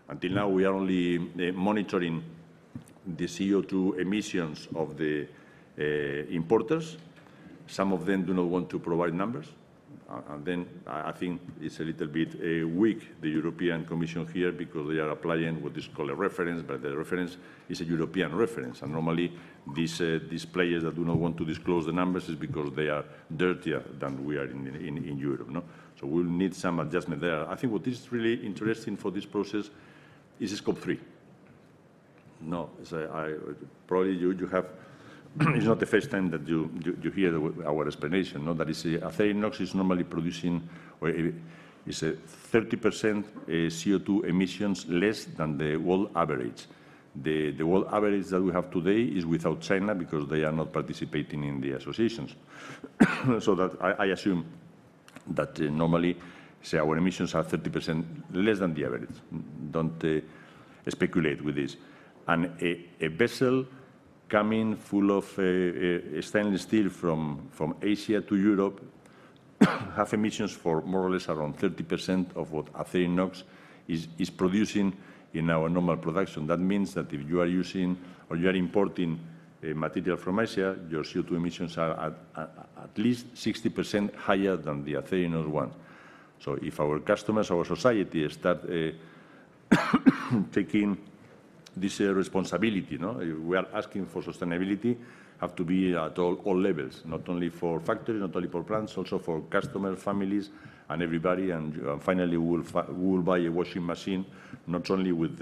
Until now, we are only monitoring the CO2 emissions of the importers. Some of them do not want to provide numbers. Then I think it's a little bit weak, the European Commission here, because they are applying what is called a reference. But the reference is a European reference. Normally, these players that do not want to disclose the numbers is because they are dirtier than we are in Europe. We'll need some adjustment there. I think what is really interesting for this process is Scope 3. No. Probably, it's not the first time that you hear our explanation. That is, Acerinox is normally producing 30% CO2 emissions less than the world average. The world average that we have today is without China because they are not participating in the associations. I assume that normally, our emissions are 30% less than the average. Don't speculate with this. A vessel coming full of stainless steel from Asia to Europe has emissions for more or less around 30% of what Acerinox is producing in our normal production. That means that if you are using or you are importing material from Asia, your CO2 emissions are at least 60% higher than the Acerinox ones. If our customers, our society, start taking this responsibility, we are asking for sustainability has to be at all levels, not only for factories, not only for plants, also for customers, families, and everybody. Finally, we will buy a washing machine not only with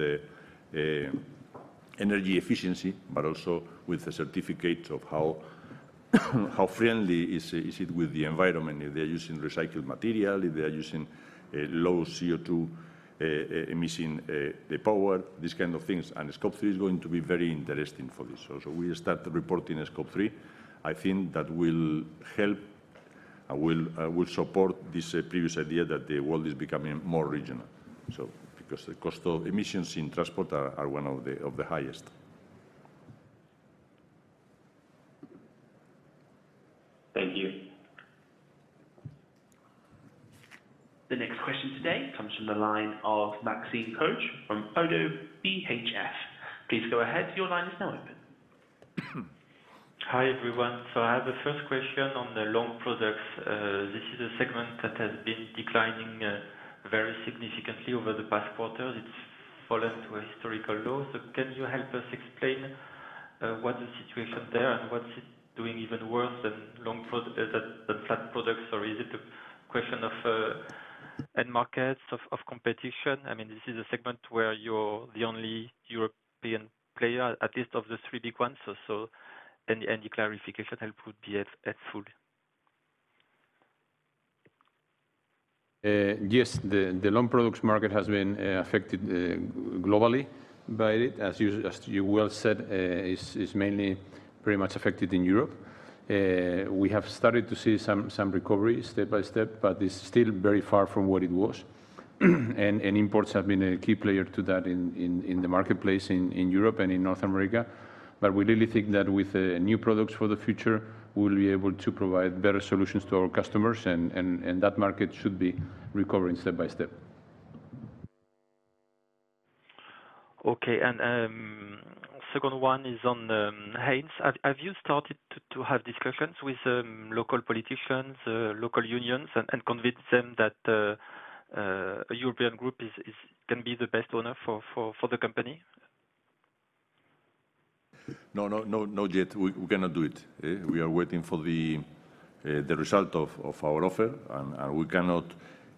energy efficiency but also with a certificate of how friendly is it with the environment, if they are using recycled material, if they are using low CO2-emitting power, these kinds of things. Scope three is going to be very interesting for this. We start reporting Scope three. I think that will help and will support this previous idea that the world is becoming more regional because the cost of emissions in transport are one of the highest. Thank you. The next question today comes from the line of Maxime Kogge from Oddo BHF. Please go ahead. Your line is now open. Hi, everyone. So I have a first question on the long products. This is a segment that has been declining very significantly over the past quarters. It's fallen to a historical low. So can you help us explain what the situation there is and what's it doing even worse than flat products? Or is it a question of end markets, of competition? I mean, this is a segment where you're the only European player, at least of the three big ones. So any clarification help would be helpful. Yes. The long products market has been affected globally by it. As you well said, it's mainly pretty much affected in Europe. We have started to see some recovery step by step. But it's still very far from what it was. And imports have been a key player to that in the marketplace in Europe and in North America. But we really think that with new products for the future, we will be able to provide better solutions to our customers. And that market should be recovering step by step. Okay. The second one is on Haynes. Have you started to have discussions with local politicians, local unions, and convinced them that a European group can be the best owner for the company? No, no, no, not yet. We cannot do it. We are waiting for the result of our offer. We cannot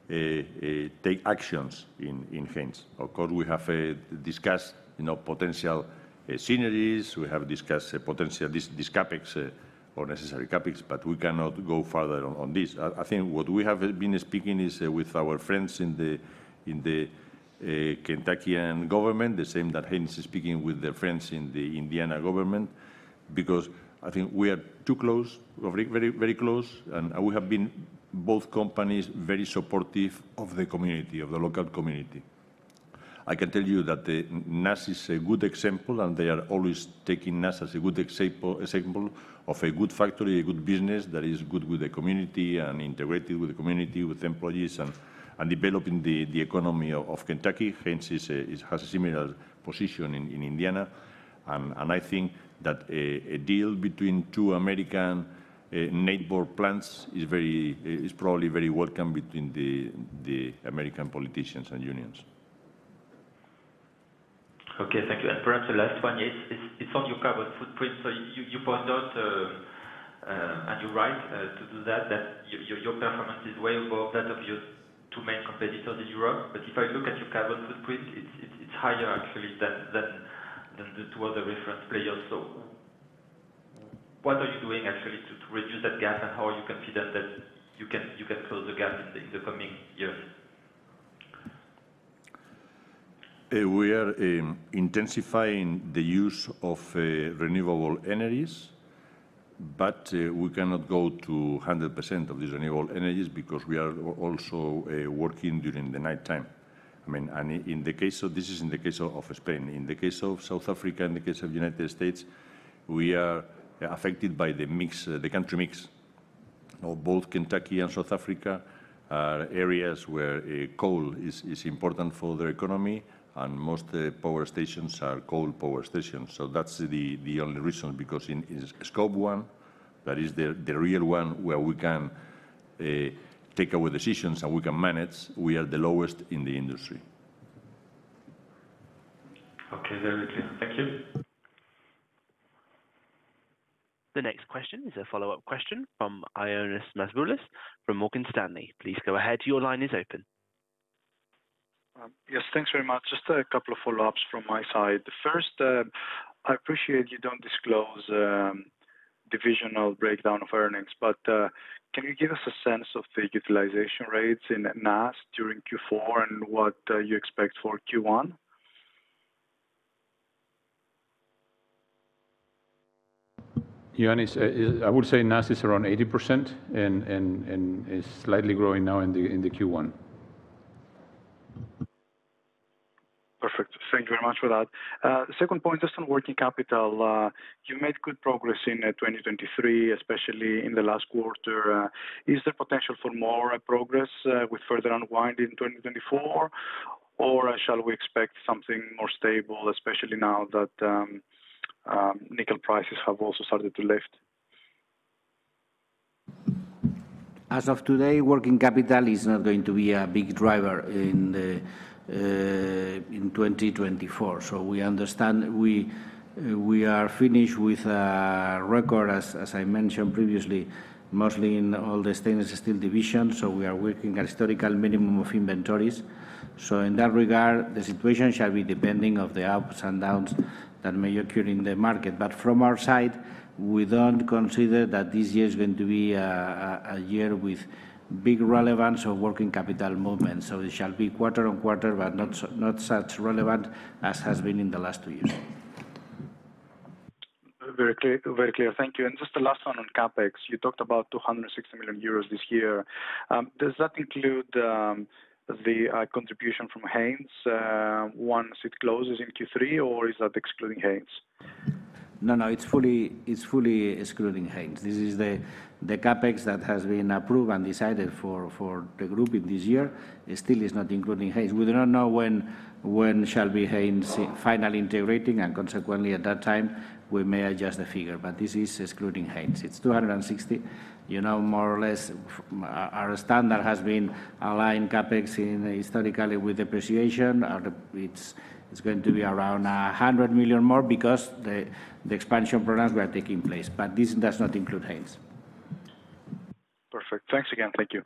take actions in Haynes. Of course, we have discussed potential synergies. We have discussed this CapEx or necessary CapEx. But we cannot go further on this. I think what we have been speaking is with our friends in the Kentucky government, the same that Haynes is speaking with their friends in the Indiana government because I think we are too close, very close. We have been both companies very supportive of the community, of the local community. I can tell you that NAS is a good example. They are always taking NAS as a good example of a good factory, a good business that is good with the community and integrated with the community, with employees, and developing the economy of Kentucky. Haynes has a similar position in Indiana. I think that a deal between two American neighbor plants is probably very welcome between the American politicians and unions. Okay. Thank you. Perhaps the last one. It's on your carbon footprint. You point out, and you're right to do that, that your performance is way above that of your two main competitors in Europe. But if I look at your carbon footprint, it's higher, actually, than the two other reference players. What are you doing, actually, to reduce that gap? And how are you confident that you can close the gap in the coming years? We are intensifying the use of renewable energies. But we cannot go to 100% of these renewable energies because we are also working during the nighttime. I mean, this is in the case of Spain. In the case of South Africa, in the case of United States, we are affected by the country mix. Both Kentucky and South Africa are areas where coal is important for their economy. And most power stations are coal power stations. So that's the only reason because in Scope 1, that is the real one where we can take our decisions and we can manage, we are the lowest in the industry. Okay. Very clear. Thank you. The next question is a follow-up question from Ioannis Masvoulas from Morgan Stanley. Please go ahead. Your line is open. Yes. Thanks very much. Just a couple of follow-ups from my side. First, I appreciate you don't disclose divisional breakdown of earnings. But can you give us a sense of the utilization rates in NAS during Q4 and what you expect for Q1? I would say NAS is around 80% and is slightly growing now in the Q1. Perfect. Thank you very much for that. Second point, just on working capital. You made good progress in 2023, especially in the last quarter. Is there potential for more progress with further unwind in 2024? Or shall we expect something more stable, especially now that nickel prices have also started to lift? As of today, working capital is not going to be a big driver in 2024. So we are finished with a record, as I mentioned previously, mostly in all the stainless steel division. So we are working at historical minimum of inventories. So in that regard, the situation shall be depending on the ups and downs that may occur in the market. But from our side, we don't consider that this year is going to be a year with big relevance of working capital movements. So it shall be quarter-on-quarter but not such relevance as has been in the last two years. Very clear. Thank you. Just the last one on CapEx. You talked about 260 million euros this year. Does that include the contribution from Haynes once it closes in Q3? Or is that excluding Haynes? No, no. It's fully excluding Haynes. This is the CAPEX that has been approved and decided for the group in this year. It still is not including Haynes. We do not know when shall be Haynes finally integrating. And consequently, at that time, we may adjust the figure. But this is excluding Haynes. It's 260. More or less, our standard has been aligned CAPEX historically with depreciation. It's going to be around 100 million more because the expansion programs we are taking place. But this does not include Haynes. Perfect. Thanks again. Thank you.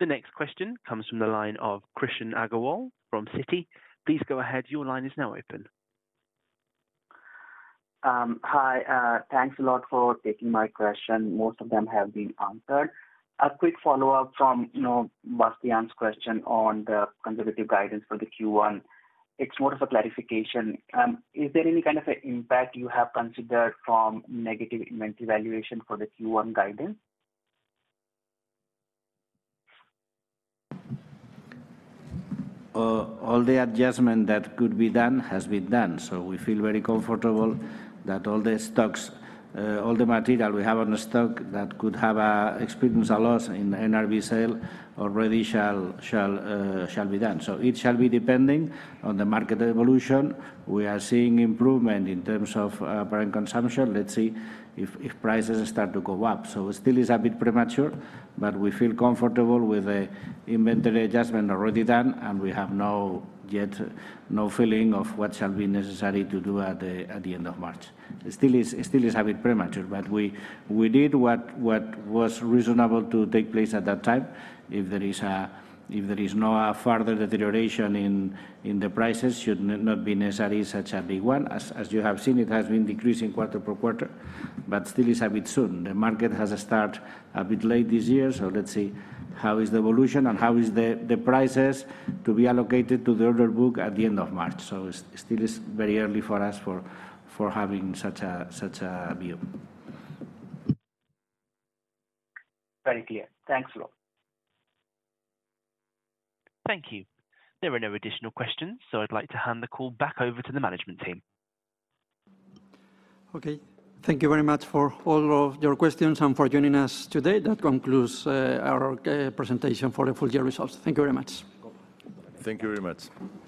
The next question comes from the line of Krishan Agarwal from Citi. Please go ahead. Your line is now open. Hi. Thanks a lot for taking my question. Most of them have been answered. A quick follow-up from Bastian's question on the conservative guidance for the Q1. It's more of a clarification. Is there any kind of impact you have considered from negative inventory valuation for the Q1 guidance? All the adjustment that could be done has been done. So we feel very comfortable that all the stocks, all the material we have on stock that could have experienced a loss in NRV sale already shall be done. So it shall be depending on the market evolution. We are seeing improvement in terms of current consumption. Let's see if prices start to go up. So it still is a bit premature. But we feel comfortable with the inventory adjustment already done. And we have yet no feeling of what shall be necessary to do at the end of March. It still is a bit premature. But we did what was reasonable to take place at that time. If there is no further deterioration in the prices, it should not be necessary such a big one. As you have seen, it has been decreasing quarter per quarter. But still is a bit soon. The market has started a bit late this year. So let's see how is the evolution and how is the prices to be allocated to the order book at the end of March. So it still is very early for us for having such a view. Very clear. Thanks a lot. Thank you. There are no additional questions. So I'd like to hand the call back over to the management team. Okay. Thank you very much for all of your questions and for joining us today. That concludes our presentation for the full year results. Thank you very much. Thank you very much.